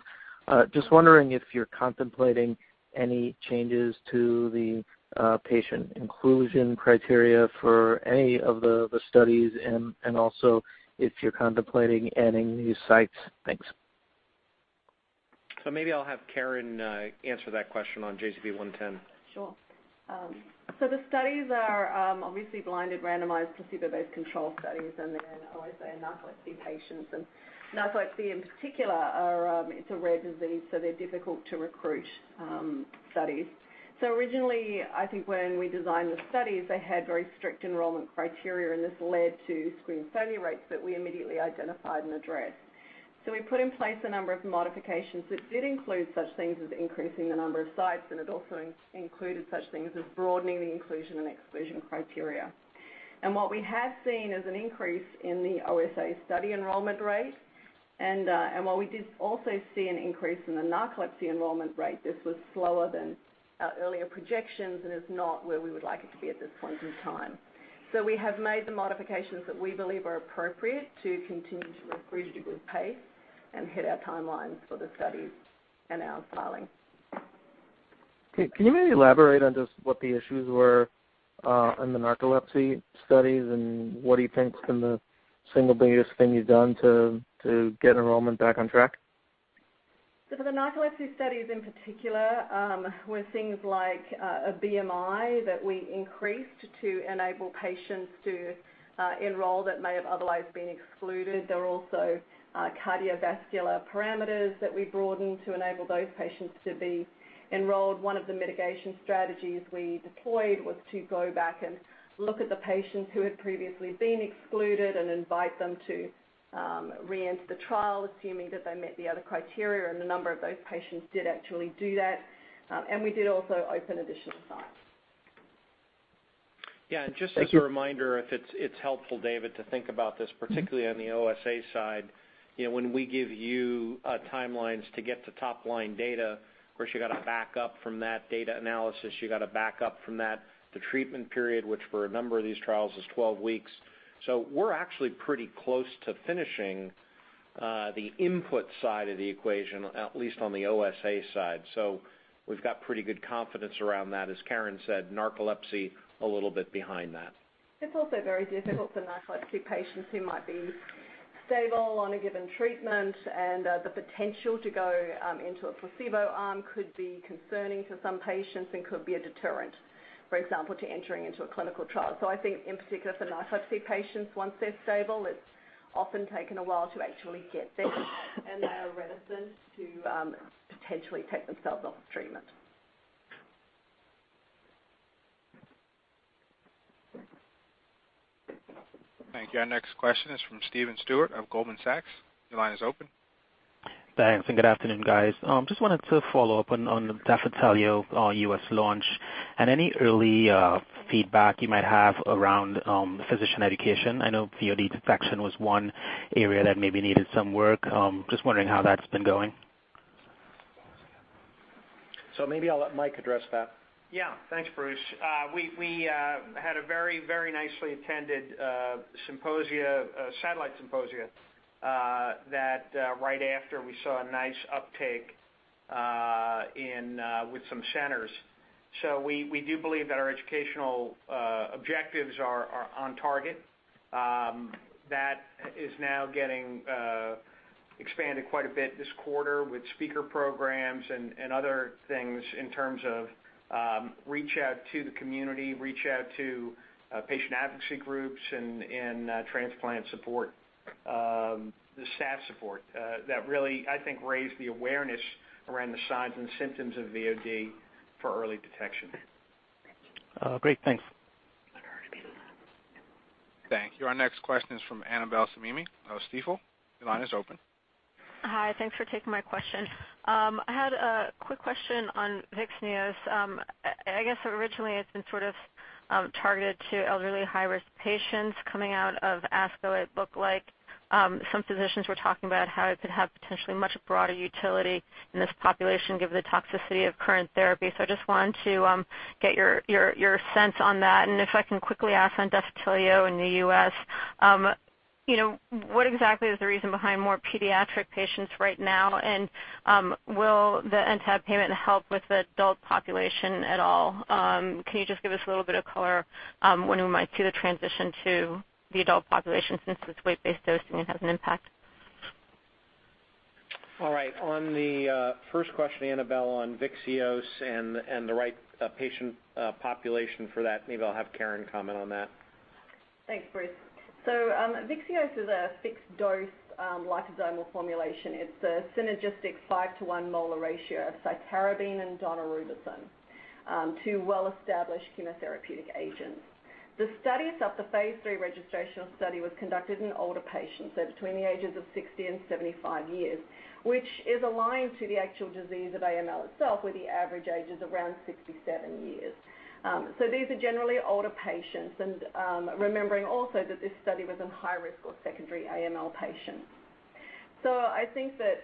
Just wondering if you're contemplating any changes to the patient inclusion criteria for any of the studies and also if you're contemplating adding new sites. Thanks. Maybe I'll have Karen answer that question on JZP-110. Sure. The studies are obviously blinded, randomized, placebo-controlled studies, and they're, as I say, narcolepsy patients. Narcolepsy in particular is a rare disease, so they're difficult to recruit studies. Originally, I think when we designed the studies, they had very strict enrollment criteria, and this led to screen failure rates that we immediately identified and addressed. We put in place a number of modifications that did include such things as increasing the number of sites, and it also included such things as broadening the inclusion and exclusion criteria. What we have seen is an increase in the OSA study enrollment rate. While we did also see an increase in the narcolepsy enrollment rate, this was slower than our earlier projections, and is not where we would like it to be at this point in time. We have made the modifications that we believe are appropriate to continue to recruit with pace and hit our timelines for the studies and our filing. Okay. Can you maybe elaborate on just what the issues were in the narcolepsy studies, and what do you think's been the single biggest thing you've done to get enrollment back on track? For the narcolepsy studies in particular, were things like a BMI that we increased to enable patients to enroll that may have otherwise been excluded. There were also cardiovascular parameters that we broadened to enable those patients to be enrolled. One of the mitigation strategies we deployed was to go back and look at the patients who had previously been excluded and invite them to reenter the trial, assuming that they met the other criteria, and a number of those patients did actually do that. We did also open additional sites. Thank you. Yeah, just as a reminder, if it's helpful, David, to think about this, particularly on the OSA side, you know, when we give you timelines to get to top-line data, of course you gotta back up from that data analysis. You gotta back up from that, the treatment period, which for a number of these trials is 12 weeks. We're actually pretty close to finishing the input side of the equation, at least on the OSA side. We've got pretty good confidence around that. As Karen said, narcolepsy a little bit behind that. It's also very difficult for narcolepsy patients who might be stable on a given treatment, and the potential to go into a placebo arm could be concerning for some patients and could be a deterrent, for example, to entering into a clinical trial. I think in particular for narcolepsy patients, once they're stable, it's often taken a while to actually get there, and they are reticent to potentially take themselves off treatment. Thank you. Our next question is from Stephen Willey of Goldman Sachs. Your line is open. Thanks, and good afternoon, guys. Just wanted to follow up on Defitelio U.S. launch and any early feedback you might have around physician education. I know VOD detection was one area that maybe needed some work. Just wondering how that's been going. Maybe I'll let Mike address that. Yeah. Thanks, Bruce. We had a very nicely attended satellite symposia that right after we saw a nice uptake with some centers. We do believe that our educational objectives are on target. That is now getting expanded quite a bit this quarter with speaker programs and other things in terms of reach out to the community, reach out to patient advocacy groups and transplant support, the staff support that really, I think, raised the awareness around the signs and symptoms of VOD for early detection. Great. Thanks. Thank you. Our next question is from Annabel Samimy of Stifel. Your line is open. Hi. Thanks for taking my question. I had a quick question on Vyxeos. I guess originally it's been sort of targeted to elderly high-risk patients. Coming out of ASCO, it looked like some physicians were talking about how it could have potentially much broader utility in this population given the toxicity of current therapy. I just wanted to get your sense on that. If I can quickly ask on Defitelio in the U.S., you know, what exactly is the reason behind more pediatric patients right now? Will the NTAP payment help with the adult population at all? Can you just give us a little bit of color when we might see the transition to the adult population since it's weight-based dosing and has an impact? All right. On the first question, Annabel, on Vyxeos and the right patient population for that, maybe I'll have Karen comment on that. Thanks, Bruce. Vyxeos is a fixed-dose, liposomal formulation. It's a synergistic 5-to-1 molar ratio of cytarabine and daunorubicin, two well-established chemotherapeutic agents. The studies of the phase III registrational study was conducted in older patients, so between the ages of 60 and 75 years, which is aligned to the actual disease of AML itself, where the average age is around 67 years. These are generally older patients, and, remembering also that this study was in high risk or secondary AML patients. I think that,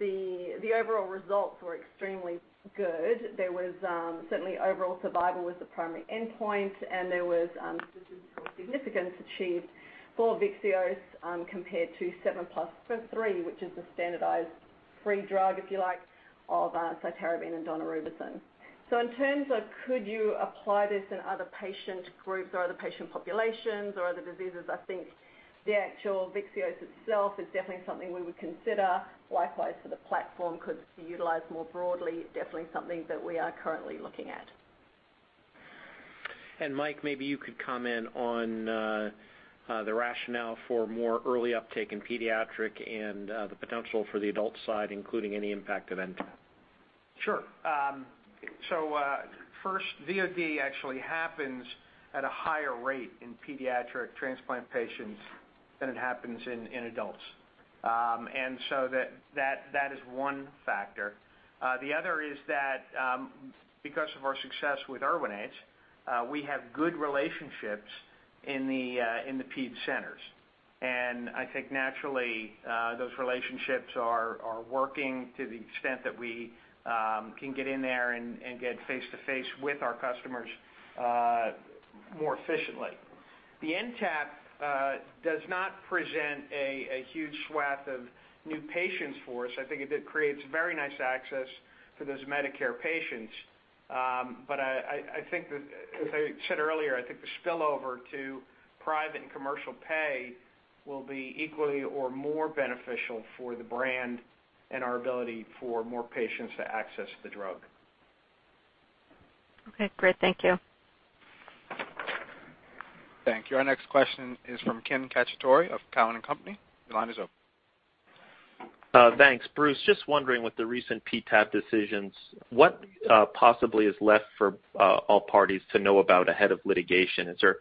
the overall results were extremely good. There was, certainly overall survival was the primary endpoint, and there was, statistical significance achieved for Vyxeos, compared to 7+3, which is the standardized free drug, if you like, of, cytarabine and daunorubicin. In terms of could you apply this in other patient groups or other patient populations or other diseases, I think the actual Vyxeos itself is definitely something we would consider. Likewise for the platform could be utilized more broadly, definitely something that we are currently looking at. Mike, maybe you could comment on the rationale for more early uptake in pediatric and the potential for the adult side, including any impact of NTAP. Sure. First, VOD actually happens at a higher rate in pediatric transplant patients than it happens in adults. That is one factor. The other is that, because of our success with Erwinaze, we have good relationships in the ped centers. I think naturally, those relationships are working to the extent that we can get in there and get face-to-face with our customers more efficiently. The NTAP does not present a huge swath of new patients for us. I think it did create some very nice access for those Medicare patients. I think that as I said earlier, I think the spillover to private and commercial pay will be equally or more beneficial for the brand and our ability for more patients to access the drug. Okay, great. Thank you. Thank you. Our next question is from Ken Cacciatore of Cowen & Company. Your line is open. Thanks. Bruce, just wondering with the recent PTAB decisions, what possibly is left for all parties to know about ahead of litigation? Is there.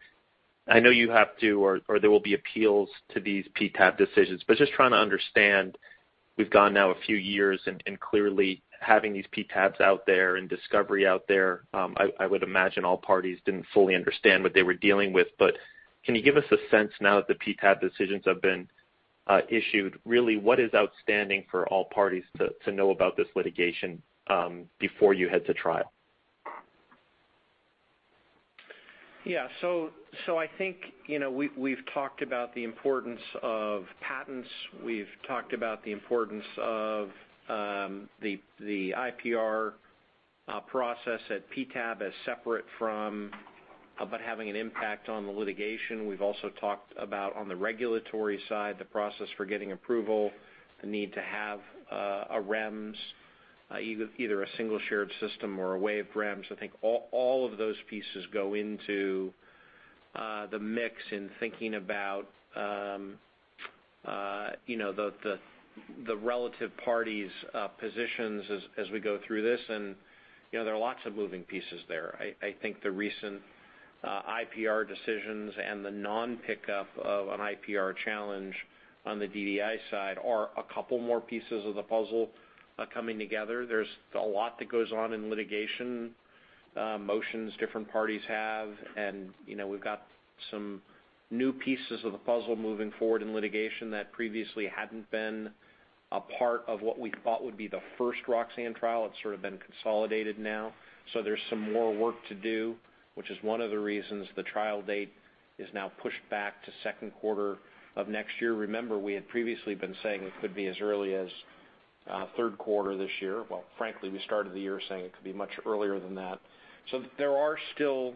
I know you have to or there will be appeals to these PTAB decisions, but just trying to understand, we've gone now a few years, and clearly having these PTABs out there and discovery out there, I would imagine all parties didn't fully understand what they were dealing with. Can you give us a sense now that the PTAB decisions have been issued, really, what is outstanding for all parties to know about this litigation before you head to trial? Yeah. I think, you know, we've talked about the importance of patents. We've talked about the importance of the IPR process at PTAB as separate from, but having an impact on the litigation. We've also talked about on the regulatory side, the process for getting approval, the need to have a REMS, either a single shared system or a way of REMS. I think all of those pieces go into the mix in thinking about, you know, the relative parties' positions as we go through this. You know, there are lots of moving pieces there. I think the recent IPR decisions and the non-pickup of an IPR challenge on the DDI side are a couple more pieces of the puzzle coming together. There's a lot that goes on in litigation, motions different parties have, and, you know, we've got some new pieces of the puzzle moving forward in litigation that previously hadn't been a part of what we thought would be the first Roxane trial. It's sort of been consolidated now. There's some more work to do, which is one of the reasons the trial date is now pushed back to second quarter of next year. Remember, we had previously been saying it could be as early as third quarter this year. Well, frankly, we started the year saying it could be much earlier than that. There are still,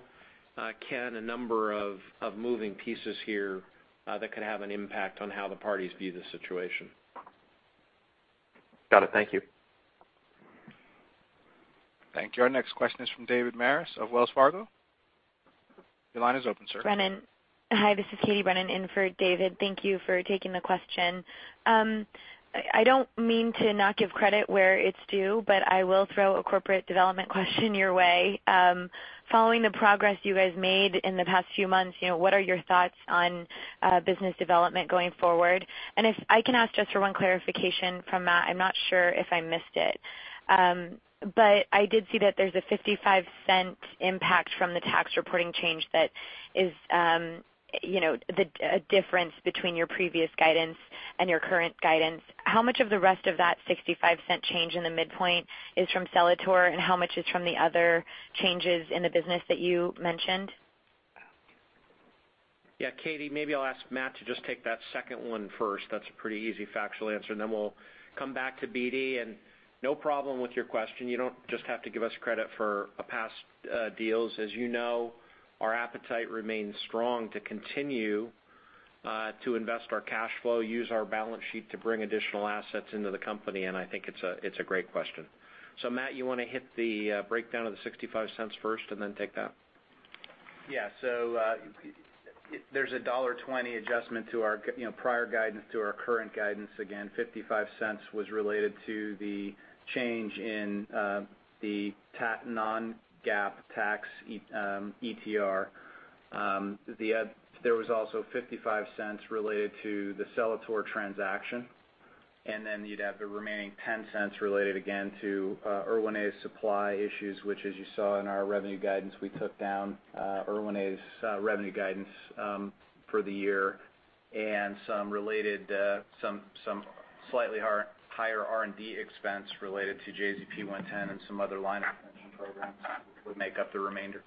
Ken, a number of moving pieces here that could have an impact on how the parties view the situation. Got it. Thank you. Thank you. Our next question is from David Maris of Wells Fargo. Your line is open, sir. Hi, this is Katey Brennan in for David. Thank you for taking the question. I don't mean to not give credit where it's due, but I will throw a corporate development question your way. Following the progress you guys made in the past few months, you know, what are your thoughts on business development going forward? If I can ask just for one clarification from Matt, I'm not sure if I missed it. But I did see that there's a $0.55 impact from the tax reporting change that is a difference between your previous guidance and your current guidance. How much of the rest of that $0.65 change in the midpoint is from Celator, and how much is from the other changes in the business that you mentioned? Yeah, Katey Brennan, maybe I'll ask Matt Young to just take that second one first. That's a pretty easy factual answer. Then we'll come back to BD. No problem with your question. You don't just have to give us credit for past deals. As you know, our appetite remains strong to continue to invest our cash flow, use our balance sheet to bring additional assets into the company, and I think it's a great question. Matt, you wanna hit the breakdown of the $0.65 first and then take that? Yeah. There's a $1.20 adjustment to our, you know, prior guidance to our current guidance. Again, $0.55 was related to the change in the tax Non-GAAP ETR. There was also $0.55 related to the Celator transaction, and then you'd have the remaining $0.10 related again to Erwinaze supply issues, which as you saw in our revenue guidance, we took down Erwinaze revenue guidance for the year and some related some slightly higher R&D expense related to JZP-110 and some other line extension programs would make up the remainder.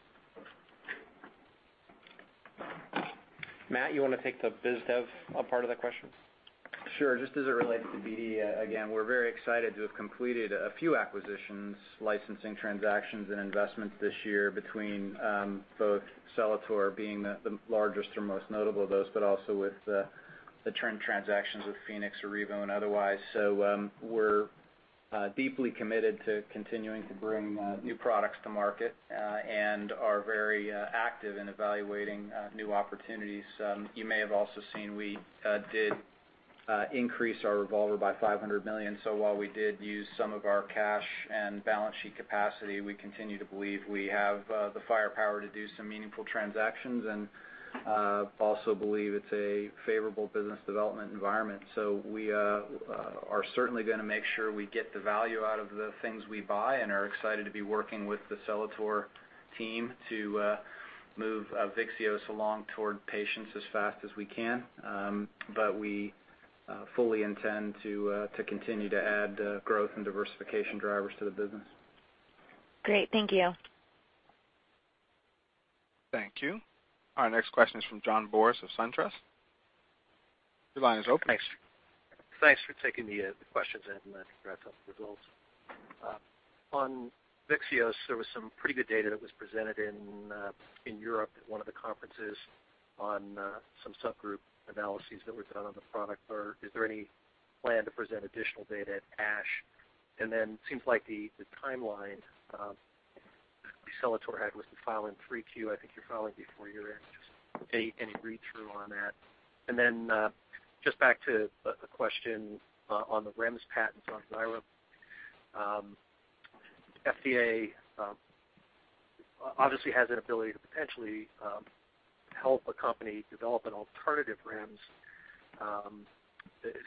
Matt, you wanna take the biz dev, part of the question? Sure. Just as it relates to BD, again, we're very excited to have completed a few acquisitions, licensing transactions and investments this year between both Celator being the largest or most notable of those, but also with the other transactions with PharmaEssentia or rEVO and otherwise. We're deeply committed to continuing to bring new products to market and are very active in evaluating new opportunities. You may have also seen we did Increase our revolver by $500 million. While we did use some of our cash and balance sheet capacity, we continue to believe we have the firepower to do some meaningful transactions and also believe it's a favorable business development environment. We are certainly gonna make sure we get the value out of the things we buy and are excited to be working with the Celator team to move Vyxeos along toward patients as fast as we can. We fully intend to continue to add growth and diversification drivers to the business. Great. Thank you. Thank you. Our next question is from John Boris of SunTrust. Your line is open. Thanks. Thanks for taking the questions and congrats on the results. On Vyxeos, there was some pretty good data that was presented in Europe at one of the conferences on some subgroup analyses that were done on the product. Is there any plan to present additional data at ASH? Seems like the timeline that Celator had was to file in 3Q. I think you're filing before year-end. Just any read-through on that. Just back to a question on the REMS patents on Xyrem. FDA obviously has an ability to potentially help a company develop an alternative REMS,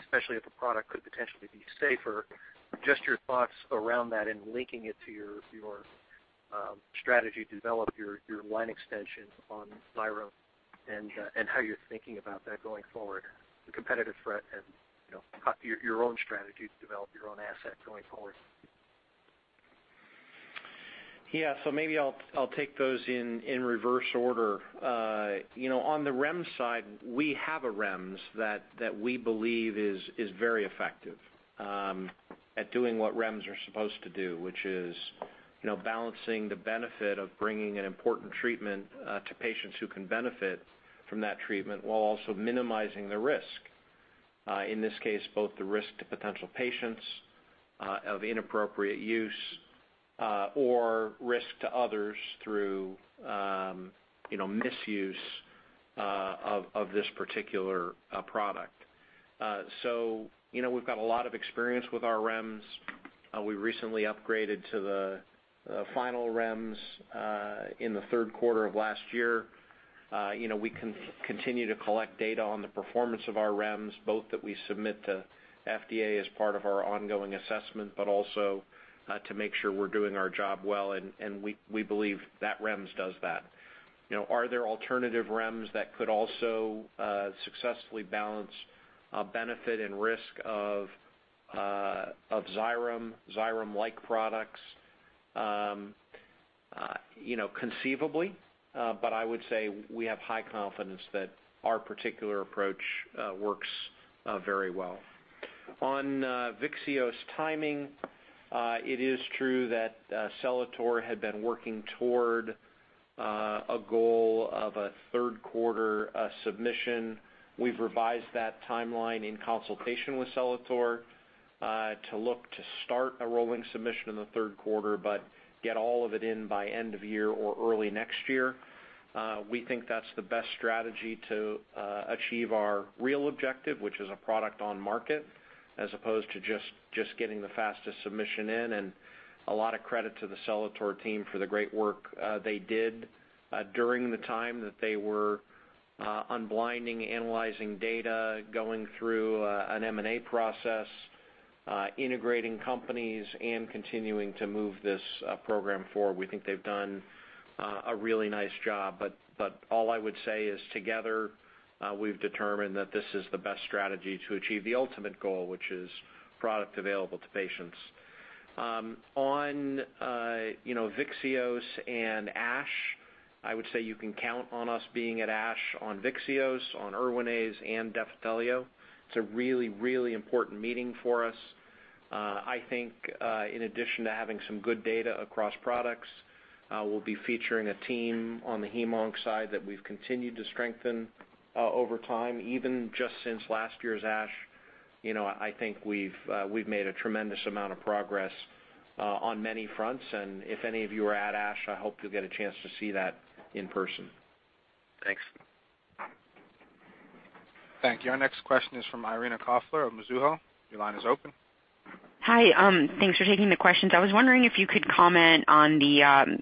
especially if a product could potentially be safer. Just your thoughts around that and linking it to your strategy to develop your line extension on Xyrem and how you're thinking about that going forward, the competitive threat and, you know, kind of your own strategy to develop your own asset going forward. Yeah. Maybe I'll take those in reverse order. You know, on the REMS side, we have a REMS that we believe is very effective at doing what REMS are supposed to do, which is, you know, balancing the benefit of bringing an important treatment to patients who can benefit from that treatment while also minimizing the risk. In this case, both the risk to potential patients of inappropriate use or risk to others through, you know, misuse of this particular product. You know, we've got a lot of experience with our REMS. We recently upgraded to the final REMS in the third quarter of last year. You know, we continue to collect data on the performance of our REMS, both that we submit to FDA as part of our ongoing assessment, but also to make sure we're doing our job well. We believe that REMS does that. You know, are there alternative REMS that could also successfully balance benefit and risk of Xyrem-like products? You know, conceivably, but I would say we have high confidence that our particular approach works very well. On Vyxeos timing, it is true that Celator had been working toward a goal of a third quarter submission. We've revised that timeline in consultation with Celator to look to start a rolling submission in the third quarter, but get all of it in by end of year or early next year. We think that's the best strategy to achieve our real objective, which is a product on market as opposed to just getting the fastest submission in. A lot of credit to the Celator team for the great work they did during the time that they were unblinding, analyzing data, going through an M&A process, integrating companies, and continuing to move this program forward. We think they've done a really nice job. All I would say is together, we've determined that this is the best strategy to achieve the ultimate goal, which is product available to patients. On Vyxeos and ASH, I would say you can count on us being at ASH on Vyxeos, on Erwinaze, and Defitelio. It's a really important meeting for us. I think in addition to having some good data across products, we'll be featuring a team on the hem-on side that we've continued to strengthen over time. Even just since last year's ASH, you know, I think we've made a tremendous amount of progress on many fronts. If any of you are at ASH, I hope you'll get a chance to see that in person. Thanks. Thank you. Our next question is from Irina Koffler of Mizuho. Your line is open. Hi. Thanks for taking the questions. I was wondering if you could comment on the,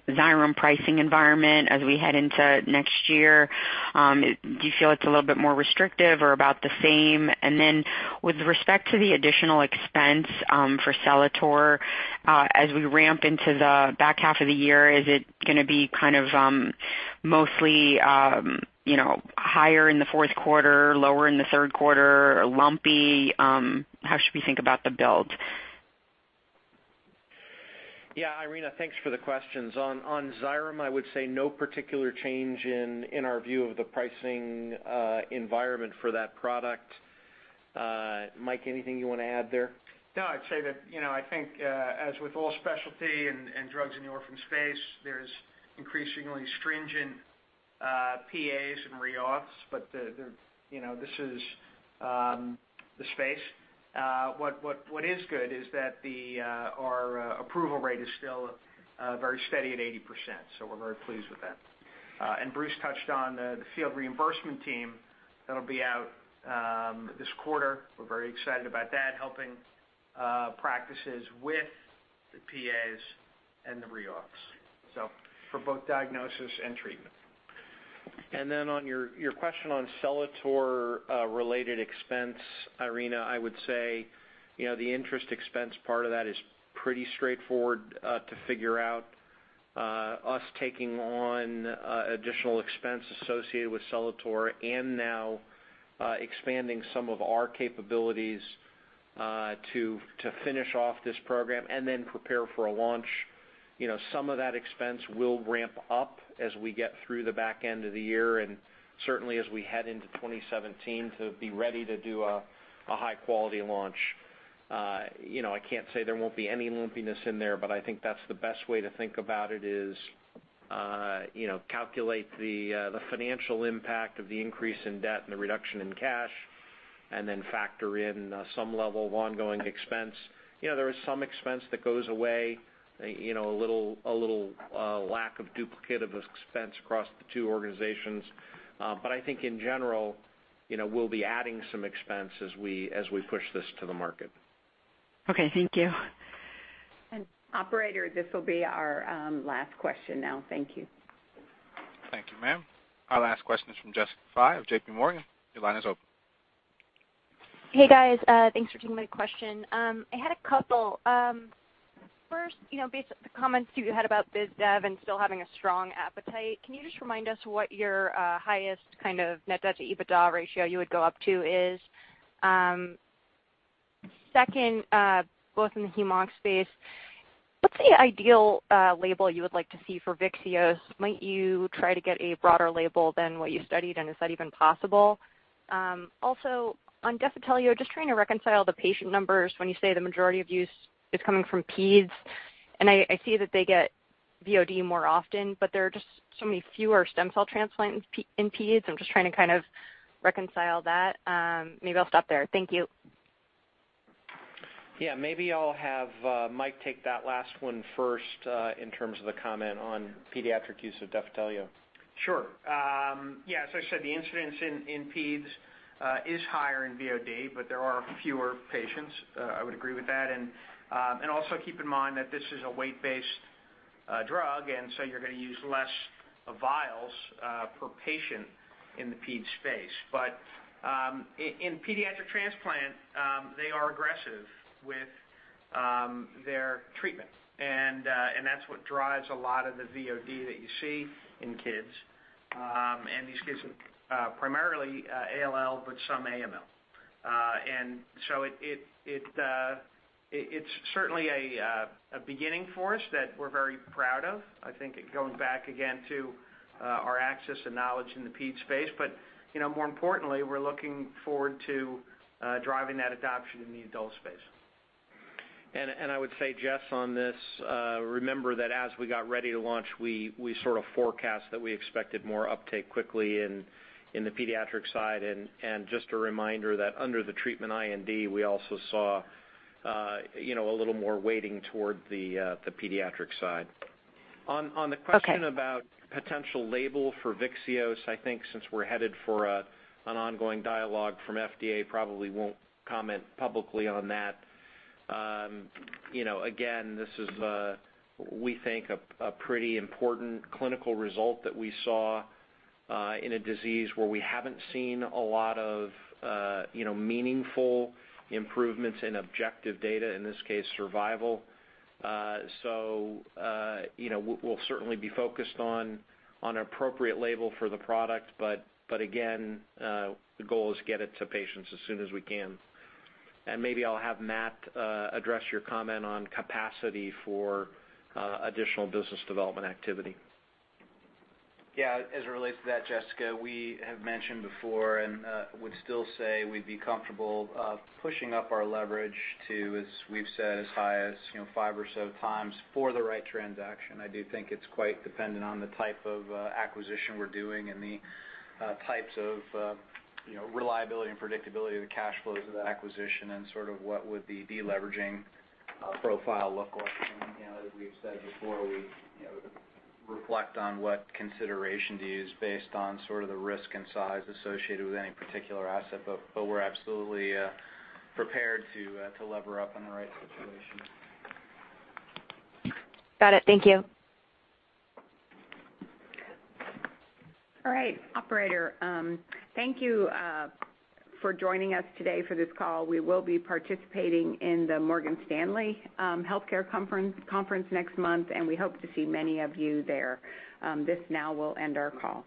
Xyrem pricing environment as we head into next year. Do you feel it's a little bit more restrictive or about the same? Then with respect to the additional expense, for Celator, as we ramp into the back half of the year, is it gonna be kind of, mostly, you know, higher in the fourth quarter, lower in the third quarter, lumpy? How should we think about the build? Yeah. Irina, thanks for the questions. On Xyrem, I would say no particular change in our view of the pricing environment for that product. Mike, anything you wanna add there? No, I'd say that, you know, I think, as with all specialty and drugs in the orphan space, there's increasingly stringent PAs and reauths. The, you know, this is the space. What is good is that our approval rate is still very steady at 80%, so we're very pleased with that. Bruce touched on the field reimbursement team that'll be out this quarter. We're very excited about that, helping practices with the PAs and the reauths, so for both diagnosis and treatment. On your question on Celator related expense, Irina, I would say, you know, the interest expense part of that is pretty straightforward to figure out, us taking on additional expense associated with Celator and now expanding some of our capabilities to finish off this program and then prepare for a launch. You know, some of that expense will ramp up as we get through the back end of the year, and certainly as we head into 2017 to be ready to do a high quality launch. You know, I can't say there won't be any lumpiness in there, but I think that's the best way to think about it, is you know calculate the financial impact of the increase in debt and the reduction in cash, and then factor in some level of ongoing expense. You know, there is some expense that goes away, you know, a little lack of duplicative expense across the two organizations. I think in general, you know, we'll be adding some expense as we push this to the market. Okay, thank you. Operator, this will be our last question now. Thank you. Thank you, ma'am. Our last question is from Jessica Fye of JPMorgan. Your line is open. Hey, guys. Thanks for taking my question. I had a couple. First, you know, based on the comments you had about biz dev and still having a strong appetite, can you just remind us what your highest kind of net debt to EBITDA ratio you would go up to is? Second, both in the heme/onc space, what's the ideal label you would like to see for Vyxeos? Might you try to get a broader label than what you studied, and is that even possible? Also on Defitelio, just trying to reconcile the patient numbers when you say the majority of use is coming from peds. I see that they get VOD more often, but there are just so many fewer stem cell transplants in peds. I'm just trying to kind of reconcile that. Maybe I'll stop there. Thank you. Yeah. Maybe I'll have Mike take that last one first, in terms of the comment on pediatric use of Defitelio. Sure. Yeah, as I said, the incidence in peds is higher in VOD, but there are fewer patients. I would agree with that. Also keep in mind that this is a weight-based drug, and so you're gonna use less vials per patient in the ped space. In pediatric transplant, they are aggressive with their treatment. That's what drives a lot of the VOD that you see in kids. These kids are primarily ALL, but some AML. It is certainly a beginning for us that we're very proud of. I think going back again to our access and knowledge in the ped space, but you know, more importantly, we're looking forward to driving that adoption in the adult space. I would say, Jess, on this, remember that as we got ready to launch, we sort of forecast that we expected more uptake quickly in the pediatric side. Just a reminder that under the treatment IND, we also saw a little more weighting toward the pediatric side. Okay. On the question about potential label for Vyxeos, I think since we're headed for an ongoing dialogue from FDA, probably won't comment publicly on that. You know, again, this is we think a pretty important clinical result that we saw in a disease where we haven't seen a lot of you know, meaningful improvements in objective data, in this case, survival. So you know, we'll certainly be focused on appropriate label for the product, but again, the goal is get it to patients as soon as we can. Maybe I'll have Matt address your comment on capacity for additional business development activity. Yeah. As it relates to that, Jessica, we have mentioned before and would still say we'd be comfortable pushing up our leverage to, as we've said, as high as, you know, five or so times for the right transaction. I do think it's quite dependent on the type of acquisition we're doing and the types of, you know, reliability and predictability of the cash flows of that acquisition and sort of what would the de-leveraging profile look like. As we've said before, we, you know, reflect on what consideration to use based on sort of the risk and size associated with any particular asset, but we're absolutely prepared to lever up in the right situation. Got it. Thank you. All right. Operator, thank you for joining us today for this call. We will be participating in the Morgan Stanley healthcare conference next month, and we hope to see many of you there. This now will end our call.